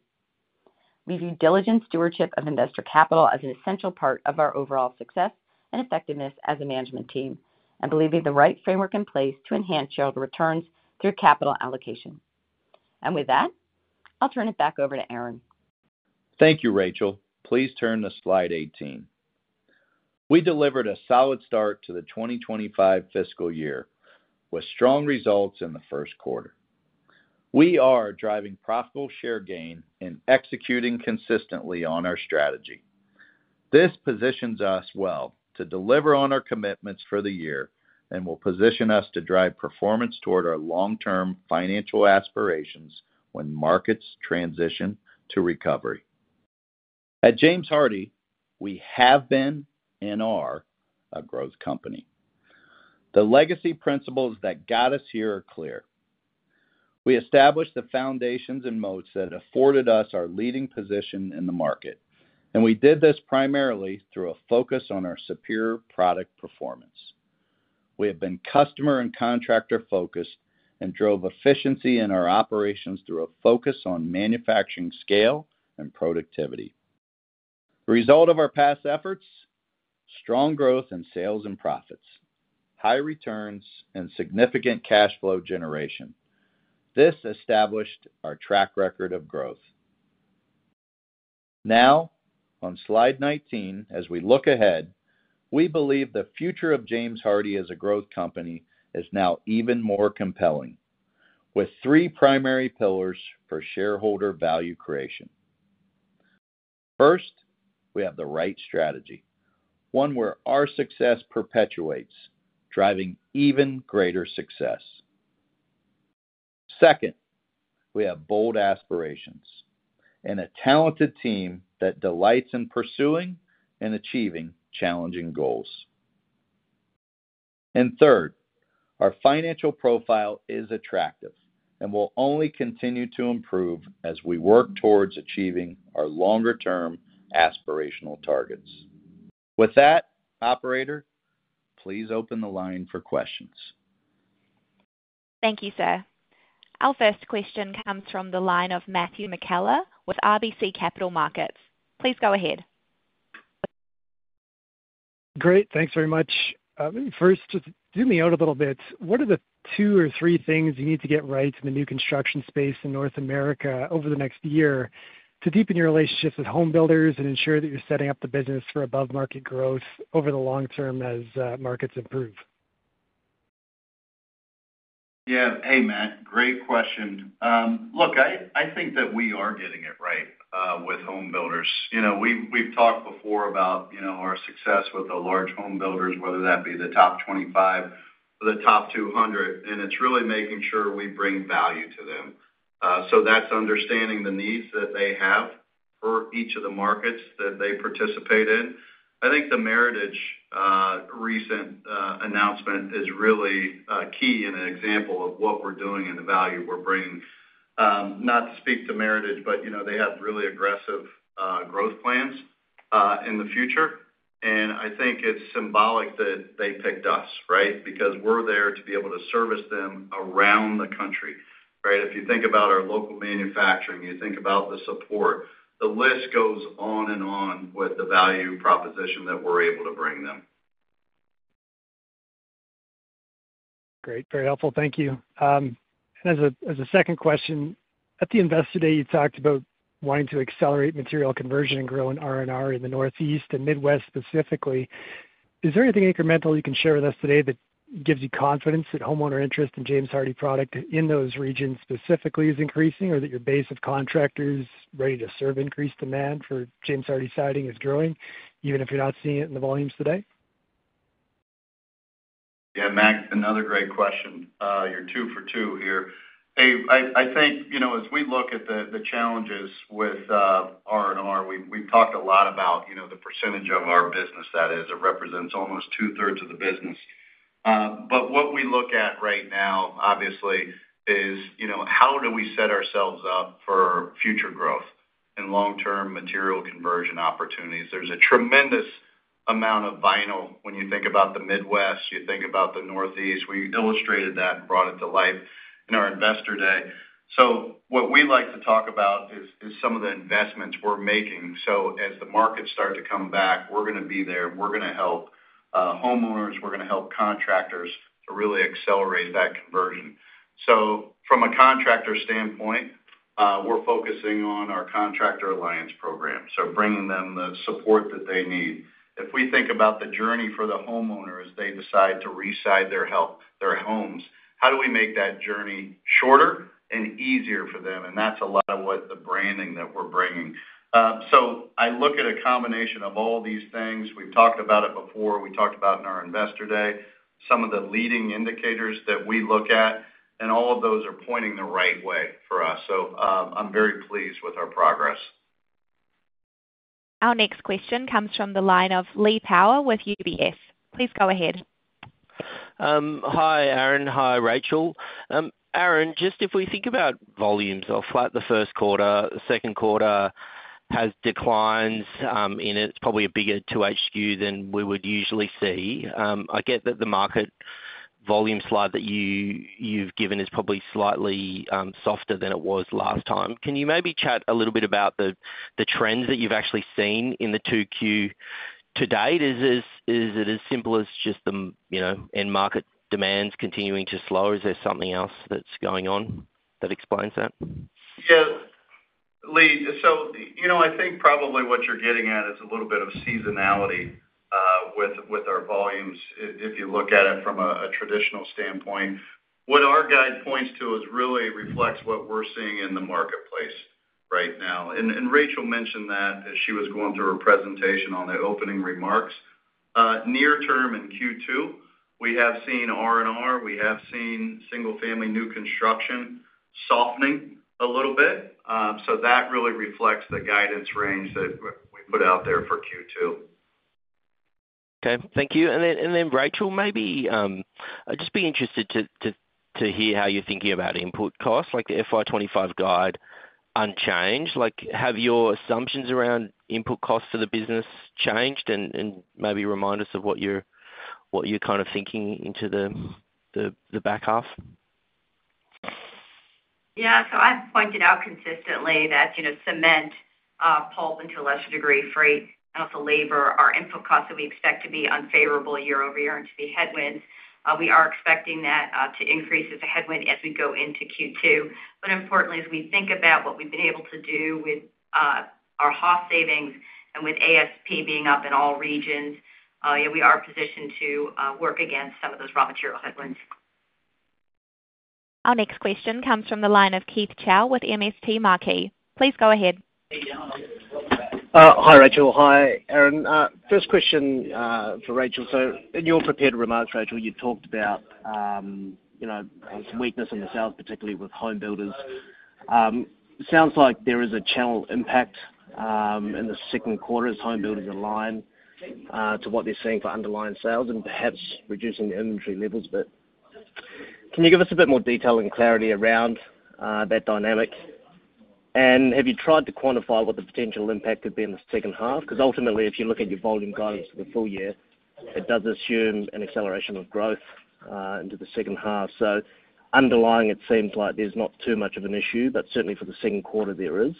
Speaker 4: We view diligent stewardship of investor capital as an essential part of our overall success and effectiveness as a management team, and believe we have the right framework in place to enhance shareholder returns through capital allocation. With that, I'll turn it back over to Aaron.
Speaker 3: Thank you, Rachel. Please turn to slide 18. We delivered a solid start to the 2025 fiscal year with strong results in the first quarter. We are driving profitable share gain and executing consistently on our strategy. This positions us well to deliver on our commitments for the year and will position us to drive performance toward our long-term financial aspirations when markets transition to recovery. At James Hardie, we have been and are a growth company. The legacy principles that got us here are clear. We established the foundations and moats that afforded us our leading position in the market, and we did this primarily through a focus on our superior product performance. We have been customer and contractor-focused and drove efficiency in our operations through a focus on manufacturing scale and productivity. The result of our past efforts? Strong growth in sales and profits, high returns, and significant cash flow generation. This established our track record of growth. Now, on slide 19, as we look ahead, we believe the future of James Hardie as a growth company is now even more compelling, with three primary pillars for shareholder value creation. First, we have the right strategy, one where our success perpetuates, driving even greater success. Second, we have bold aspirations and a talented team that delights in pursuing and achieving challenging goals. And third, our financial profile is attractive and will only continue to improve as we work towards achieving our longer-term aspirational targets. With that, operator, please open the line for questions.
Speaker 1: Thank you, sir. Our first question comes from the line of Matthew McKellar with RBC Capital Markets. Please go ahead.
Speaker 5: Great, thanks very much. Maybe first, just zoom me out a little bit. What are the two or three things you need to get right in the new construction space in North America over the next year to deepen your relationships with home builders and ensure that you're setting up the business for above-market growth over the long term as markets improve?
Speaker 3: Yeah. Hey, Matt, great question. Look, I think that we are getting it right with home builders. You know, we've talked before about, you know, our success with the large home builders, whether that be the top 25 or the top 200, and it's really making sure we bring value to them. So that's understanding the needs that they have for each of the markets that they participate in. I think the Meritage recent announcement is really key and an example of what we're doing and the value we're bringing. Not to speak to Meritage, but, you know, they have really aggressive growth plans in the future, and I think it's symbolic that they picked us, right? Because we're there to be able to service them around the country, right? If you think about our local manufacturing, you think about the support, the list goes on and on with the value proposition that we're able to bring them.
Speaker 6: Great, very helpful. Thank you. And as a second question, at the Investor Day, you talked about wanting to accelerate material conversion and grow in R&R in the Northeast and Midwest specifically. Is there anything incremental you can share with us today that gives you confidence that homeowner interest in James Hardie product in those regions specifically is increasing, or that your base of contractors ready to serve increased demand for James Hardie Siding is growing, even if you're not seeing it in the volumes today?
Speaker 3: Yeah, Matt, another great question. You're two for two here. Hey, I think, you know, as we look at the challenges with R&R, we've talked a lot about, you know, the percentage of our business that is. It represents almost two-thirds of the business. But what we look at right now, obviously, is, you know, how do we set ourselves up for future growth?... and long-term material conversion opportunities. There's a tremendous amount of vinyl when you think about the Midwest, you think about the Northeast. We illustrated that and brought it to life in our Investor Day. So what we like to talk about is some of the investments we're making. So as the markets start to come back, we're gonna be there, and we're gonna help homeowners, we're gonna help contractors to really accelerate that conversion. So from a contractor standpoint, we're focusing on our Contractor Alliance Program, so bringing them the support that they need. If we think about the journey for the homeowners, they decide to reside their homes, how do we make that journey shorter and easier for them? And that's a lot of what the branding that we're bringing. So I look at a combination of all these things. We've talked about it before, we talked about in our Investor Day, some of the leading indicators that we look at, and all of those are pointing the right way for us. So, I'm very pleased with our progress.
Speaker 1: Our next question comes from the line of Lee Power with UBS. Please go ahead.
Speaker 5: Hi, Aaron. Hi, Rachel. Aaron, just if we think about volumes of like the first quarter, the second quarter has declines in it, probably a bigger 2Q than we would usually see. I get that the market volume slide that you've given is probably slightly softer than it was last time. Can you maybe chat a little bit about the trends that you've actually seen in the 2Q to date? Is it as simple as just the, you know, end market demands continuing to slow, or is there something else that's going on that explains that?
Speaker 3: Yeah. Lee, so, you know, I think probably what you're getting at is a little bit of seasonality, with our volumes, if you look at it from a traditional standpoint. What our guide points to is really reflects what we're seeing in the marketplace right now. And Rachel mentioned that as she was going through her presentation on the opening remarks. Near term in Q2, we have seen R&R, we have seen single family new construction softening a little bit. So that really reflects the guidance range that we put out there for Q2.
Speaker 5: Okay, thank you. And then, Rachel, maybe I'd just be interested to hear how you're thinking about input costs, like the FY 25 guide unchanged. Like, have your assumptions around input costs for the business changed? And maybe remind us of what you're kind of thinking into the back half.
Speaker 4: Yeah. So I've pointed out consistently that, you know, cement, pulp to a lesser degree, freight, and also labor, are input costs that we expect to be unfavorable year over year and to be headwind. We are expecting that to increase as a headwind as we go into Q2. But importantly, as we think about what we've been able to do with our cost savings and with ASP being up in all regions, yeah, we are positioned to work against some of those raw material headwinds.
Speaker 1: Our next question comes from the line of Keith Chau with MST Marquee. Please go ahead.
Speaker 5: Hi, Rachel. Hi, Aaron. First question for Rachel. So in your prepared remarks, Rachel, you talked about, you know, some weakness in the sales, particularly with home builders. Sounds like there is a channel impact in the second quarter as home builders align to what they're seeing for underlying sales and perhaps reducing the inventory levels. But can you give us a bit more detail and clarity around that dynamic? And have you tried to quantify what the potential impact could be in the second half? Because ultimately, if you look at your volume guidance for the full year, it does assume an acceleration of growth into the second half. So underlying, it seems like there's not too much of an issue, but certainly for the second quarter, there is.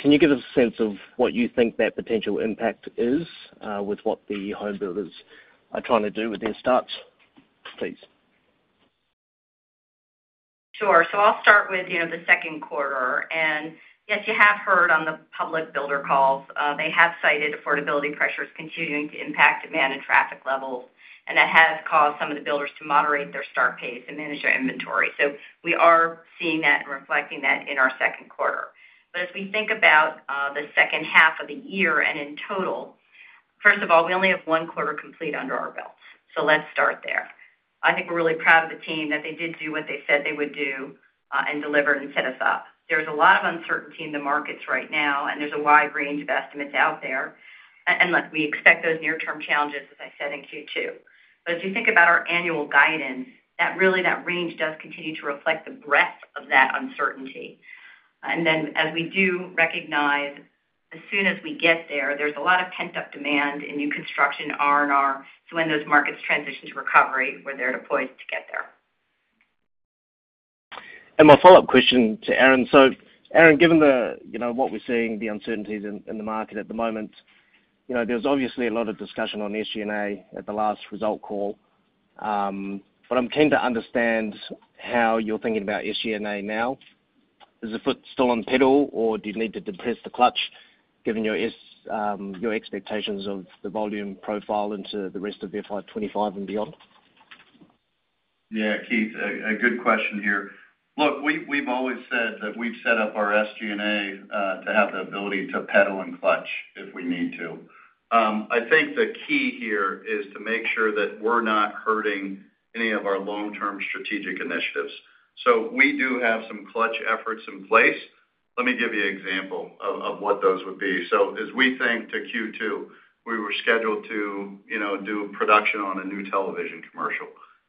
Speaker 5: Can you give us a sense of what you think that potential impact is, with what the home builders are trying to do with their starts, please?
Speaker 4: Sure. So I'll start with, you know, the second quarter. And yes, you have heard on the public builder calls, they have cited affordability pressures continuing to impact demand and traffic levels, and that has caused some of the builders to moderate their start pace and manage their inventory. So we are seeing that and reflecting that in our second quarter. But as we think about, the second half of the year and in total, first of all, we only have one quarter complete under our belts, so let's start there. I think we're really proud of the team that they did do what they said they would do, and delivered and set us up. There's a lot of uncertainty in the markets right now, and there's a wide range of estimates out there. And look, we expect those near-term challenges, as I said, in Q2. But as you think about our annual guidance, that really, that range does continue to reflect the breadth of that uncertainty. And then as we do recognize, as soon as we get there, there's a lot of pent-up demand in new construction R&R. So when those markets transition to recovery, where they're deployed to get there.
Speaker 7: My follow-up question to Aaron. So Aaron, given the, you know, what we're seeing, the uncertainties in the market at the moment, you know, there's obviously a lot of discussion on SG&A at the last result call. But I'm keen to understand how you're thinking about SG&A now. Is the foot still on the pedal, or do you need to depress the clutch given your expectations of the volume profile into the rest of FY 25 and beyond?
Speaker 3: Yeah, Keith, a good question here. Look, we've always said that we've set up our SG&A to have the ability to pedal and clutch if we need to. I think the key here is to make sure that we're not hurting any of our long-term strategic initiatives. So we do have some clutch efforts in place. Let me give you an example of what those would be. So as we think to Q2, we were scheduled to, you know, do production on a new television commercial.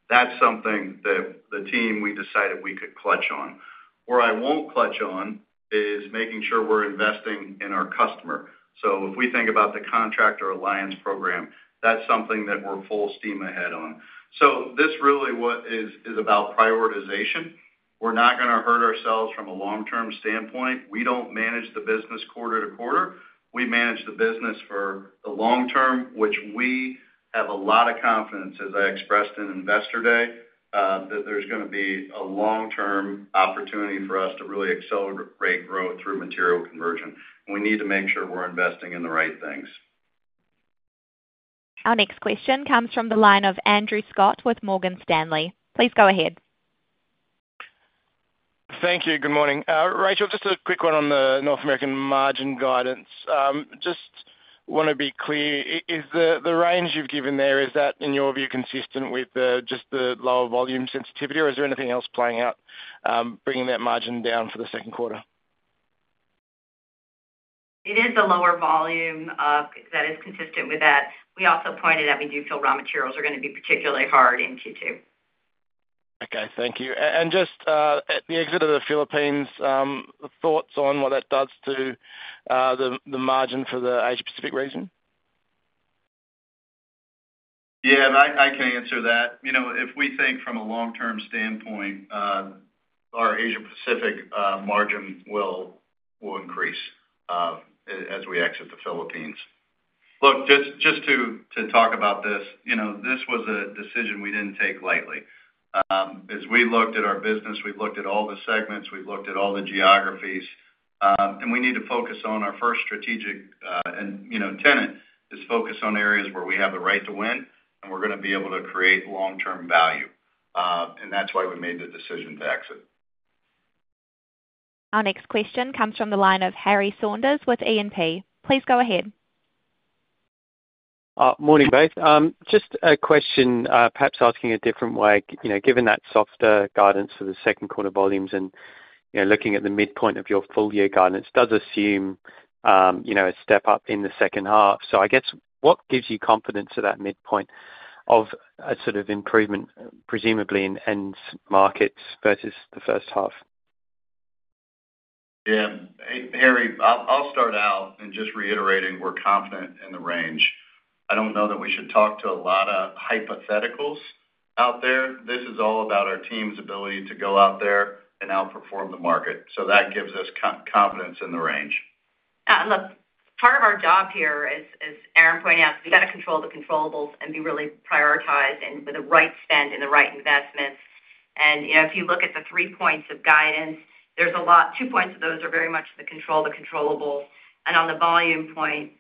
Speaker 3: That's something that the team, we decided we could clutch on. Where I won't clutch on is making sure we're investing in our customer. So if we think about the Contractor Alliance Program, that's something that we're full steam ahead on. So this really is about prioritization. We're not gonna hurt ourselves from a long-term standpoint. We don't manage the business quarter to quarter. We manage the business for the long term, which we have a lot of confidence, as I expressed in Investor Day, that there's gonna be a long-term opportunity for us to really accelerate growth through material conversion. We need to make sure we're investing in the right things.
Speaker 1: Our next question comes from the line of Andrew Scott with Morgan Stanley. Please go ahead.
Speaker 5: Thank you. Good morning. Rachel, just a quick one on the North American margin guidance. Just wanna be clear, is the, the range you've given there, is that, in your view, consistent with the, just the lower volume sensitivity, or is there anything else playing out, bringing that margin down for the second quarter?
Speaker 4: It is the lower volume, that is consistent with that. We also pointed out we do feel raw materials are gonna be particularly hard in Q2.
Speaker 5: Okay, thank you. And just at the exit of the Philippines, thoughts on what that does to the margin for the Asia Pacific region?
Speaker 3: Yeah, I can answer that. You know, if we think from a long-term standpoint, our Asia Pacific margin will increase as we exit the Philippines. Look, just to talk about this, you know, this was a decision we didn't take lightly. As we looked at our business, we've looked at all the segments, we've looked at all the geographies, and we need to focus on our first strategic tenet, is focus on areas where we have the right to win, and we're gonna be able to create long-term value. And that's why we made the decision to exit.
Speaker 1: Our next question comes from the line of Harry Saunders with E&P. Please go ahead.
Speaker 5: Morning, both. Just a question, perhaps asking a different way. You know, given that softer guidance for the second quarter volumes and, you know, looking at the midpoint of your full year guidance does assume, you know, a step up in the second half. So I guess, what gives you confidence to that midpoint of a sort of improvement, presumably in end markets versus the first half?
Speaker 3: Yeah. Hey, Harry, I'll start out by just reiterating we're confident in the range. I don't know that we should talk to a lot of hypotheticals out there. This is all about our team's ability to go out there and outperform the market, so that gives us confidence in the range.
Speaker 4: Look, part of our job here, as Aaron pointed out, we've got to control the controllables and be really prioritized and with the right spend and the right investments. And, you know, if you look at the three points of guidance, there's a lot, two points of those are very much control the controllables, and on the volume point,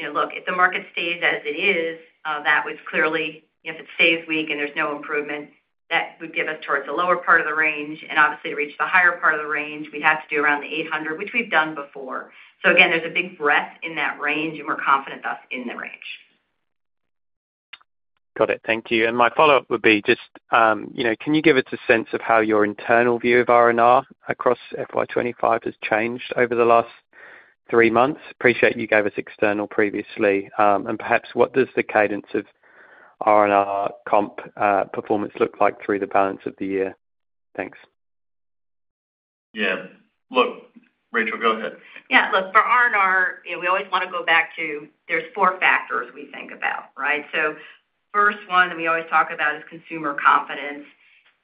Speaker 4: you know, look, if the market stays as it is, that would clearly. If it stays weak and there's no improvement, that would give us towards the lower part of the range, and obviously, to reach the higher part of the range, we'd have to do around the 800, which we've done before. So again, there's a big breadth in that range, and we're confident that's in the range.
Speaker 5: Got it. Thank you. And my follow-up would be just, you know, can you give us a sense of how your internal view of RNR across FY 25 has changed over the last three months? Appreciate you gave us external previously. And perhaps what does the cadence of RNR comp performance look like through the balance of the year? Thanks.
Speaker 3: Yeah. Look, Rachel, go ahead.
Speaker 4: Yeah. Look, for RNR, you know, we always wanna go back to there's four factors we think about, right? So first one, and we always talk about, is consumer confidence.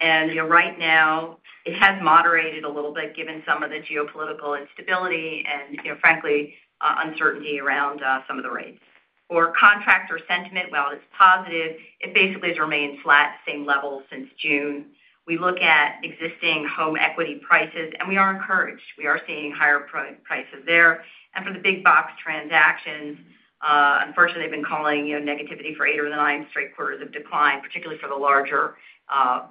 Speaker 4: And, you know, right now, it has moderated a little bit given some of the geopolitical instability and, you know, frankly, uncertainty around some of the rates. For contractor sentiment, while it's positive, it basically has remained flat, same level since June. We look at existing home equity prices, and we are encouraged. We are seeing higher prices there. And for the big box transactions, unfortunately, they've been calling, you know, negativity for 8 or 9 straight quarters of decline, particularly for the larger part.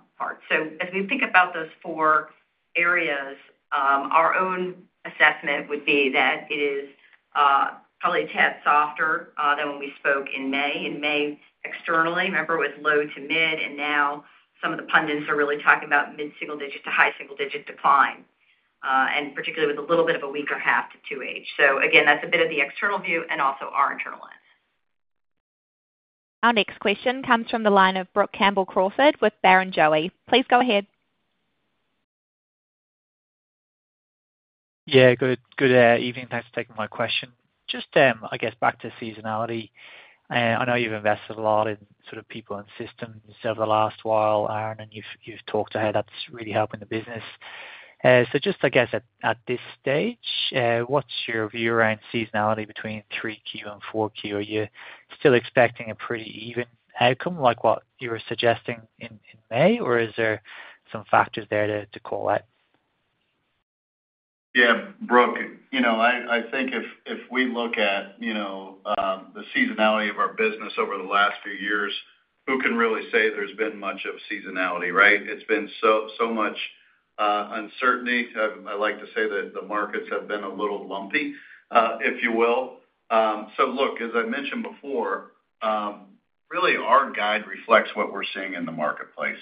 Speaker 4: So as we think about those four areas, our own assessment would be that it is probably a tad softer than when we spoke in May. In May, externally, remember, it was low to mid, and now some of the pundits are really talking about mid-single digit to high single-digit decline, and particularly with a little bit of a weaker H2. So again, that's a bit of the external view and also our internal lens.
Speaker 1: Our next question comes from the line of Brook Campbell-Crawford with Barrenjoey. Please go ahead.
Speaker 5: Yeah, good, good evening. Thanks for taking my question. Just, I guess back to seasonality. I know you've invested a lot in sort of people and systems over the last while, Aaron, and you've, you've talked to how that's really helping the business. So just I guess at this stage, what's your view around seasonality between three Q and four Q? Are you still expecting a pretty even outcome, like what you were suggesting in May, or is there some factors there to call out?
Speaker 3: Yeah, Brook, you know, I, I think if, if we look at, you know, the seasonality of our business over the last few years, who can really say there's been much of seasonality, right? It's been so, so much uncertainty. I like to say that the markets have been a little lumpy, if you will. So look, as I mentioned before, really our guide reflects what we're seeing in the marketplace....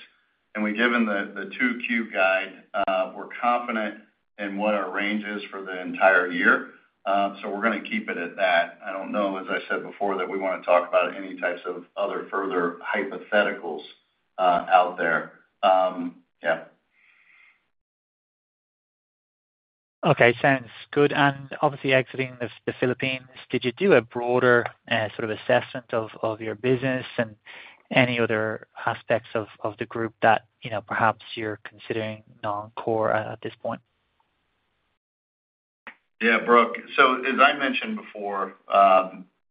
Speaker 3: And we've given the, the 2Q guide, we're confident in what our range is for the entire year. So we're gonna keep it at that. I don't know, as I said before, that we wanna talk about any types of other further hypotheticals, out there. Yeah.
Speaker 5: Okay. Sounds good. And obviously, exiting the Philippines, did you do a broader sort of assessment of your business and any other aspects of the group that, you know, perhaps you're considering non-core at this point?
Speaker 3: Yeah, Brook. So as I mentioned before,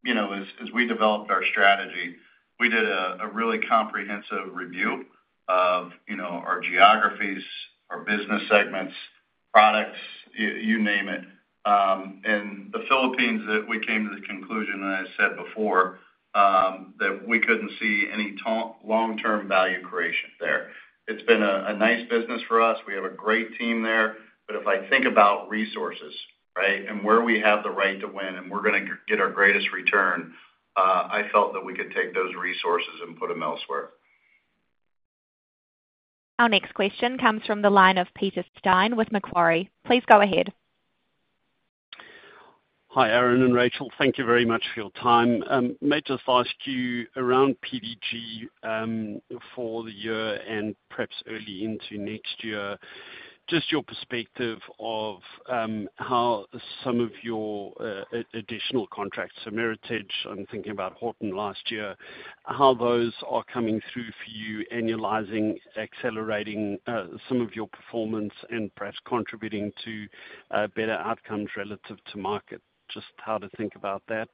Speaker 3: you know, as we developed our strategy, we did a really comprehensive review of, you know, our geographies, our business segments, products, you name it. And the Philippines that we came to the conclusion, and I said before, that we couldn't see any long-term value creation there. It's been a nice business for us. We have a great team there. But if I think about resources, right? And where we have the right to win, and we're gonna get our greatest return, I felt that we could take those resources and put them elsewhere.
Speaker 1: Our next question comes from the line of Peter Steyn with Macquarie. Please go ahead.
Speaker 5: Hi, Aaron and Rachel. Thank you very much for your time. May just ask you around PDG, for the year and perhaps early into next year, just your perspective of, how some of your, additional contracts, so Meritage, I'm thinking about Horton last year, how those are coming through for you, annualizing, accelerating, some of your performance and perhaps contributing to, better outcomes relative to market? Just how to think about that.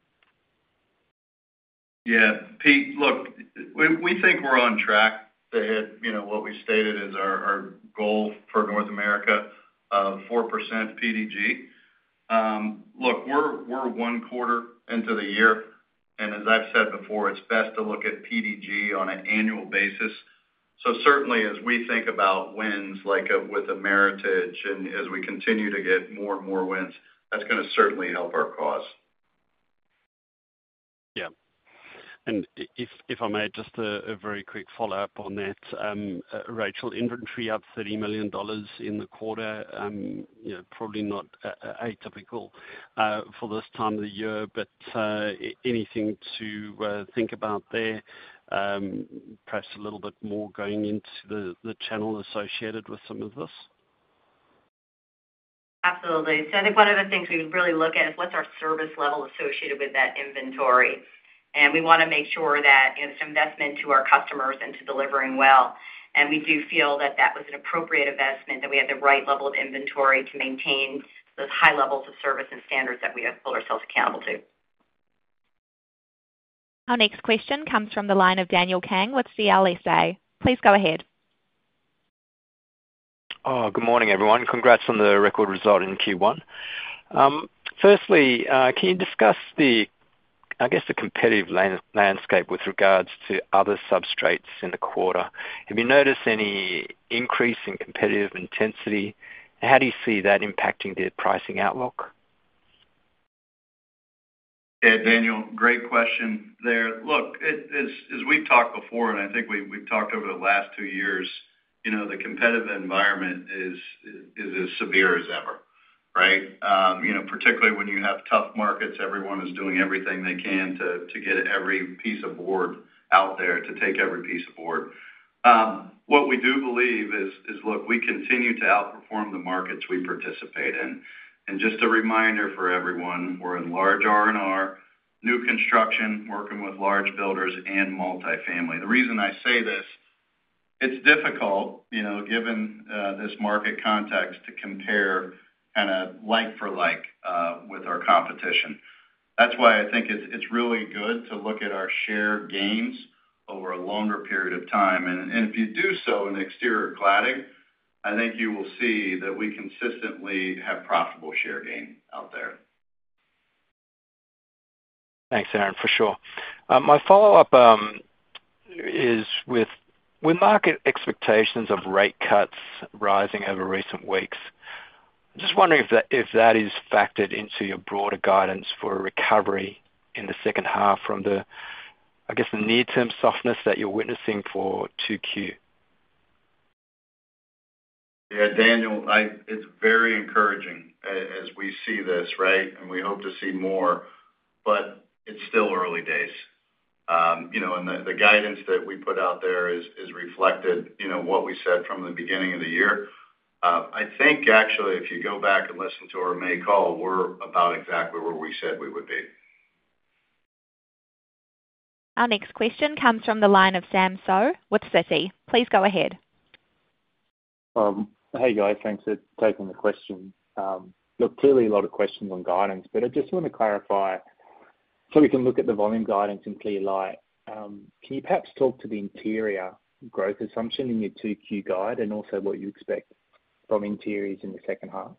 Speaker 3: Yeah, Pete, look, we, we think we're on track to hit, you know, what we stated as our, our goal for North America, of 4% PDG. Look, we're, we're one quarter into the year, and as I've said before, it's best to look at PDG on an annual basis. So certainly, as we think about wins, like, with a Meritage, and as we continue to get more and more wins, that's gonna certainly help our cause.
Speaker 5: Yeah. And if I may, just a very quick follow-up on that. Rachel, inventory up $30 million in the quarter, you know, probably not atypical for this time of the year, but anything to think about there? Perhaps a little bit more going into the channel associated with some of this.
Speaker 4: Absolutely. So I think one of the things we really look at is, what's our service level associated with that inventory? And we wanna make sure that it's an investment to our customers and to delivering well. And we do feel that that was an appropriate investment, that we had the right level of inventory to maintain those high levels of service and standards that we have hold ourselves accountable to.
Speaker 1: Our next question comes from the line of Daniel Kang with CLSA. Please go ahead.
Speaker 5: Good morning, everyone. Congrats on the record result in Q1. Firstly, can you discuss the, I guess, the competitive landscape with regards to other substrates in the quarter? Have you noticed any increase in competitive intensity? How do you see that impacting the pricing outlook?
Speaker 3: Yeah, Daniel, great question there. Look, it's as we've talked before, and I think we've talked over the last two years, you know, the competitive environment is as severe as ever, right? You know, particularly when you have tough markets, everyone is doing everything they can to get every piece of board out there, to take every piece of board. What we do believe is, look, we continue to outperform the markets we participate in. And just a reminder for everyone, we're in large R&R, new construction, working with large builders and multifamily. The reason I say this, it's difficult, you know, given this market context, to compare kinda like for like with our competition. That's why I think it's really good to look at our share gains over a longer period of time. If you do so in exterior cladding, I think you will see that we consistently have profitable share gain out there.
Speaker 8: Thanks, Aaron, for sure. My follow-up is with... With market expectations of rate cuts rising over recent weeks, just wondering if that, if that is factored into your broader guidance for a recovery in the second half from the, I guess, the near-term softness that you're witnessing for 2Q?
Speaker 3: Yeah, Daniel, it's very encouraging as we see this, right? And we hope to see more, but it's still early days. You know, and the guidance that we put out there is reflected, you know, what we said from the beginning of the year. I think, actually, if you go back and listen to our May call, we're about exactly where we said we would be.
Speaker 1: Our next question comes from the line of Sam Seow with Citi. Please go ahead.
Speaker 5: Hey, guys. Thanks for taking the question. Look, clearly a lot of questions on guidance, but I just want to clarify, so we can look at the volume guidance in clear light. Can you perhaps talk to the interiors growth assumption in your 2Q guide, and also what you expect from interiors in the second half?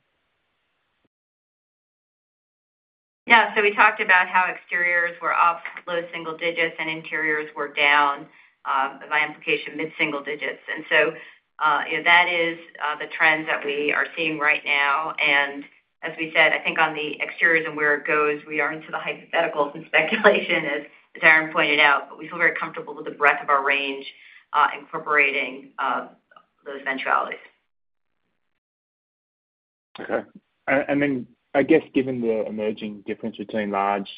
Speaker 4: Yeah, so we talked about how exteriors were up low single digits and interiors were down, by implication, mid-single digits. And so, that is the trends that we are seeing right now, and as we said, I think on the exteriors and where it goes, we are into the hypotheticals and speculation as Aaron pointed out, but we feel very comfortable with the breadth of our range, incorporating those eventualities.
Speaker 5: Okay. And then I guess, given the emerging difference between large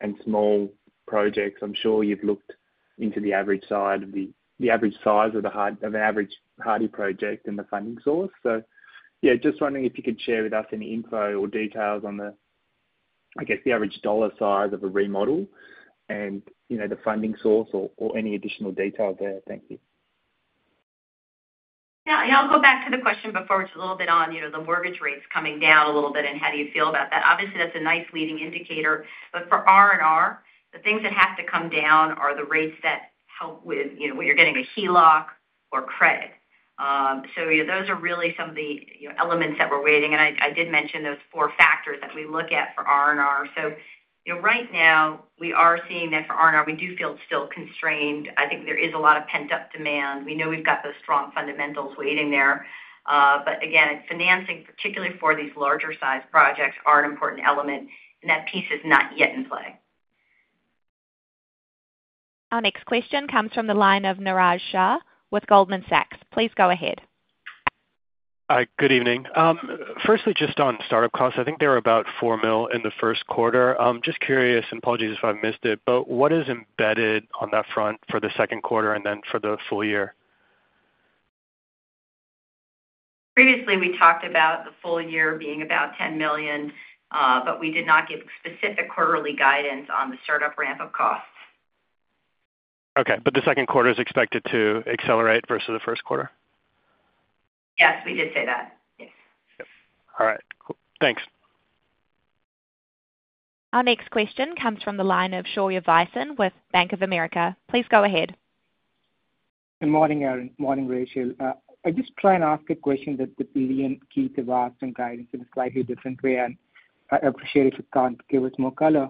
Speaker 5: and small projects, I'm sure you've looked into the average size of the average Hardie project and the funding source. So, yeah, just wondering if you could share with us any info or details on the, I guess, the average dollar size of a remodel and, you know, the funding source or any additional detail there. Thank you.
Speaker 4: Yeah, and I'll go back to the question before, which is a little bit on, you know, the mortgage rates coming down a little bit, and how do you feel about that? Obviously, that's a nice leading indicator, but for R&R, the things that have to come down are the rates that help with, you know, where you're getting a HELOC or credit. So those are really some of the, you know, elements that we're waiting. And I did mention those four factors that we look at for R&R. So, you know, right now, we are seeing that for R&R, we do feel it's still constrained. I think there is a lot of pent-up demand. We know we've got those strong fundamentals waiting there. But again, financing, particularly for these larger-sized projects, are an important element, and that piece is not yet in play.
Speaker 1: Our next question comes from the line of Niraj Shah with Goldman Sachs. Please go ahead.
Speaker 5: Hi, good evening. Firstly, just on startup costs, I think they were about $4 million in the first quarter. Just curious, and apologies if I've missed it, but what is embedded on that front for the second quarter, and then for the full year?
Speaker 4: Previously, we talked about the full year being about $10 million, but we did not give specific quarterly guidance on the startup ramp-up costs.
Speaker 5: Okay, but the second quarter is expected to accelerate versus the first quarter?
Speaker 4: Yes, we did say that. Yes.
Speaker 5: All right, cool. Thanks.
Speaker 1: Our next question comes from the line of Shaurya Bisen with Bank of America. Please go ahead.
Speaker 5: Good morning, Aaron. Morning, Rachel. I'll just try and ask a question that maybe even Keith have asked, and guide us in a slightly different way, and I appreciate if you can't give us more color.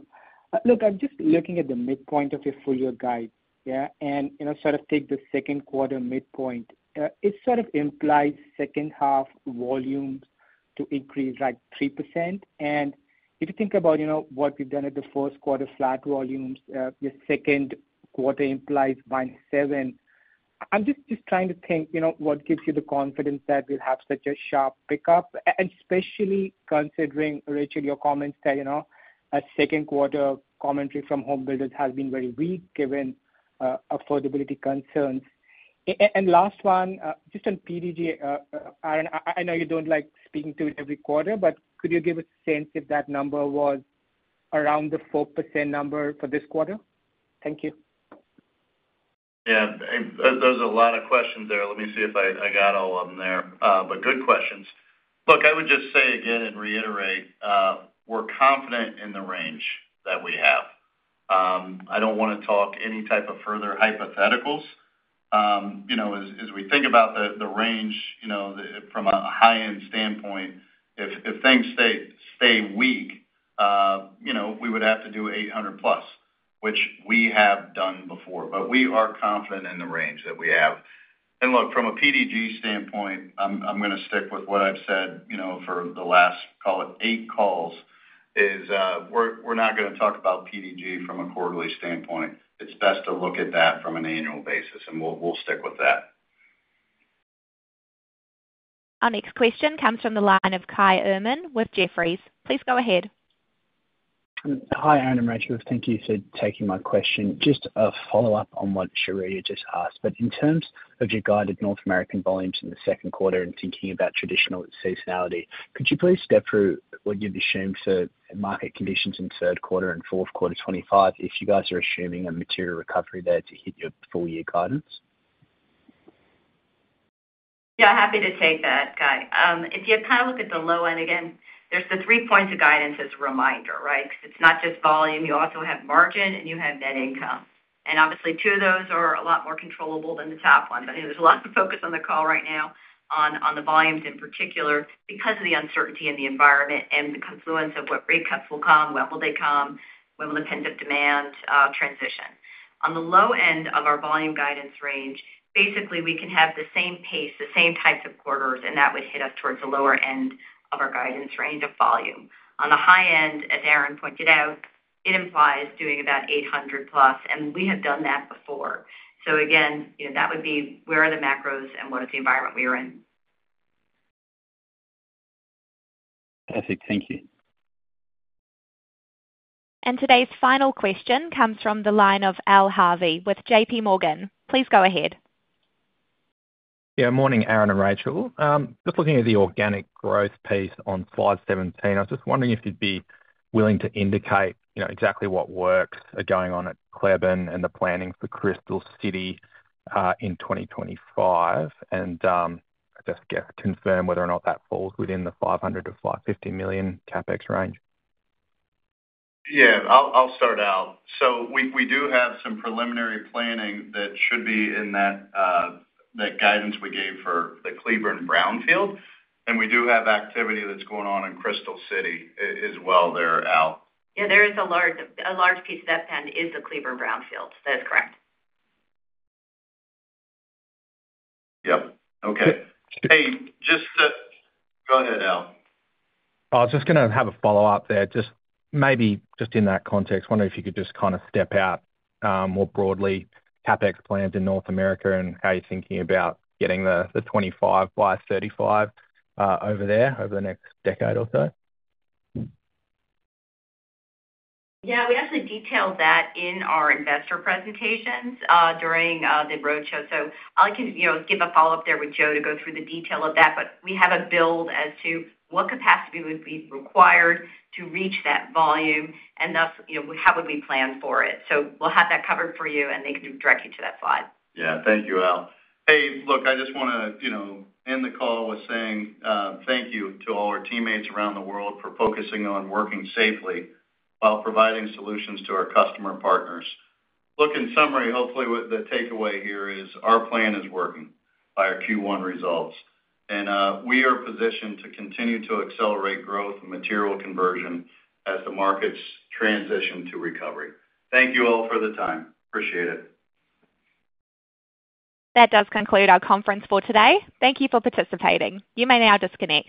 Speaker 5: Look, I'm just looking at the midpoint of your full year guide, yeah, and, you know, sort of take the second quarter midpoint. It sort of implies second half volumes to increase, like, 3%. And if you think about, you know, what we've done at the first quarter, flat volumes, the second quarter implies -7. I'm just trying to think, you know, what gives you the confidence that we'll have such a sharp pickup, especially considering, Rachel, your comments that, you know, a second quarter commentary from home builders has been very weak, given affordability concerns. And last one, just on PDG, Aaron, I know you don't like speaking to it every quarter, but could you give a sense if that number was around the 4% number for this quarter? Thank you.
Speaker 3: Yeah, and those are a lot of questions there. Let me see if I got all of them there. But good questions. Look, I would just say again and reiterate, we're confident in the range that we have. I don't wanna talk any type of further hypotheticals. You know, as we think about the range, you know, from a high-end standpoint, if things stay weak, you know, we would have to do $800+, which we have done before, but we are confident in the range that we have. And look, from a PDG standpoint, I'm gonna stick with what I've said, you know, for the last, call it, 8 calls, is, we're not gonna talk about PDG from a quarterly standpoint. It's best to look at that from an annual basis, and we'll, we'll stick with that.
Speaker 1: Our next question comes from the line of Kai Erman with Jefferies. Please go ahead.
Speaker 9: Hi, Aaron and Rachel, thank you for taking my question. Just a follow-up on what Shaurya just asked, but in terms of your guided North American volumes in the second quarter and thinking about traditional seasonality, could you please step through what you've assumed for market conditions in third quarter and fourth quarter 2025, if you guys are assuming a material recovery there to hit your full year guidance?
Speaker 4: Yeah, happy to take that, Kai. If you kind of look at the low end, again, there's the three points of guidance as a reminder, right? It's not just volume, you also have margin, and you have net income. And obviously, two of those are a lot more controllable than the top one. But I know there's a lot to focus on the call right now on, on the volumes in particular, because of the uncertainty in the environment and the confluence of what rate cuts will come, when will they come, when will the pent-up demand, transition. On the low end of our volume guidance range, basically, we can have the same pace, the same types of quarters, and that would hit us towards the lower end of our guidance range of volume. On the high end, as Aaron pointed out, it implies doing about $800+, and we have done that before. So again, you know, that would be where are the macros and what is the environment we are in?
Speaker 5: Perfect. Thank you.
Speaker 1: Today's final question comes from the line of Al Harvey with J.P. Morgan. Please go ahead.
Speaker 10: Yeah, morning, Aaron and Rachel. Just looking at the organic growth piece on slide 17, I was just wondering if you'd be willing to indicate, you know, exactly what works are going on at Cleburne and the plannings for Crystal City in 2025. Confirm whether or not that falls within the $500 million-$550 million CapEx range.
Speaker 3: Yeah, I'll start out. So we do have some preliminary planning that should be in that guidance we gave for the Cleburne brownfield, and we do have activity that's going on in Crystal City as well, there, Al.
Speaker 4: Yeah, there is a large piece of that plan is the Cleburne brownfield. That is correct.
Speaker 3: Yep. Okay. Hey, just... Go ahead, Al.
Speaker 10: I was just gonna have a follow-up there. Just maybe just in that context, wondering if you could just kind of step out more broadly CapEx plans in North America, and how you're thinking about getting the 25 by 35 over there over the next decade or so?
Speaker 4: Yeah, we actually detailed that in our investor presentations, during the roadshow. So I'll continue, you know, give a follow-up there with Joe to go through the detail of that, but we have a build as to what capacity would be required to reach that volume, and thus, you know, how would we plan for it. So we'll have that covered for you, and they can direct you to that slide.
Speaker 3: Yeah. Thank you, Al. Hey, look, I just wanna, you know, end the call with saying thank you to all our teammates around the world for focusing on working safely while providing solutions to our customer partners. Look, in summary, hopefully what the takeaway here is, our plan is working by our Q1 results. And we are positioned to continue to accelerate growth and material conversion as the markets transition to recovery. Thank you all for the time. Appreciate it.
Speaker 1: That does conclude our conference for today. Thank you for participating. You may now disconnect.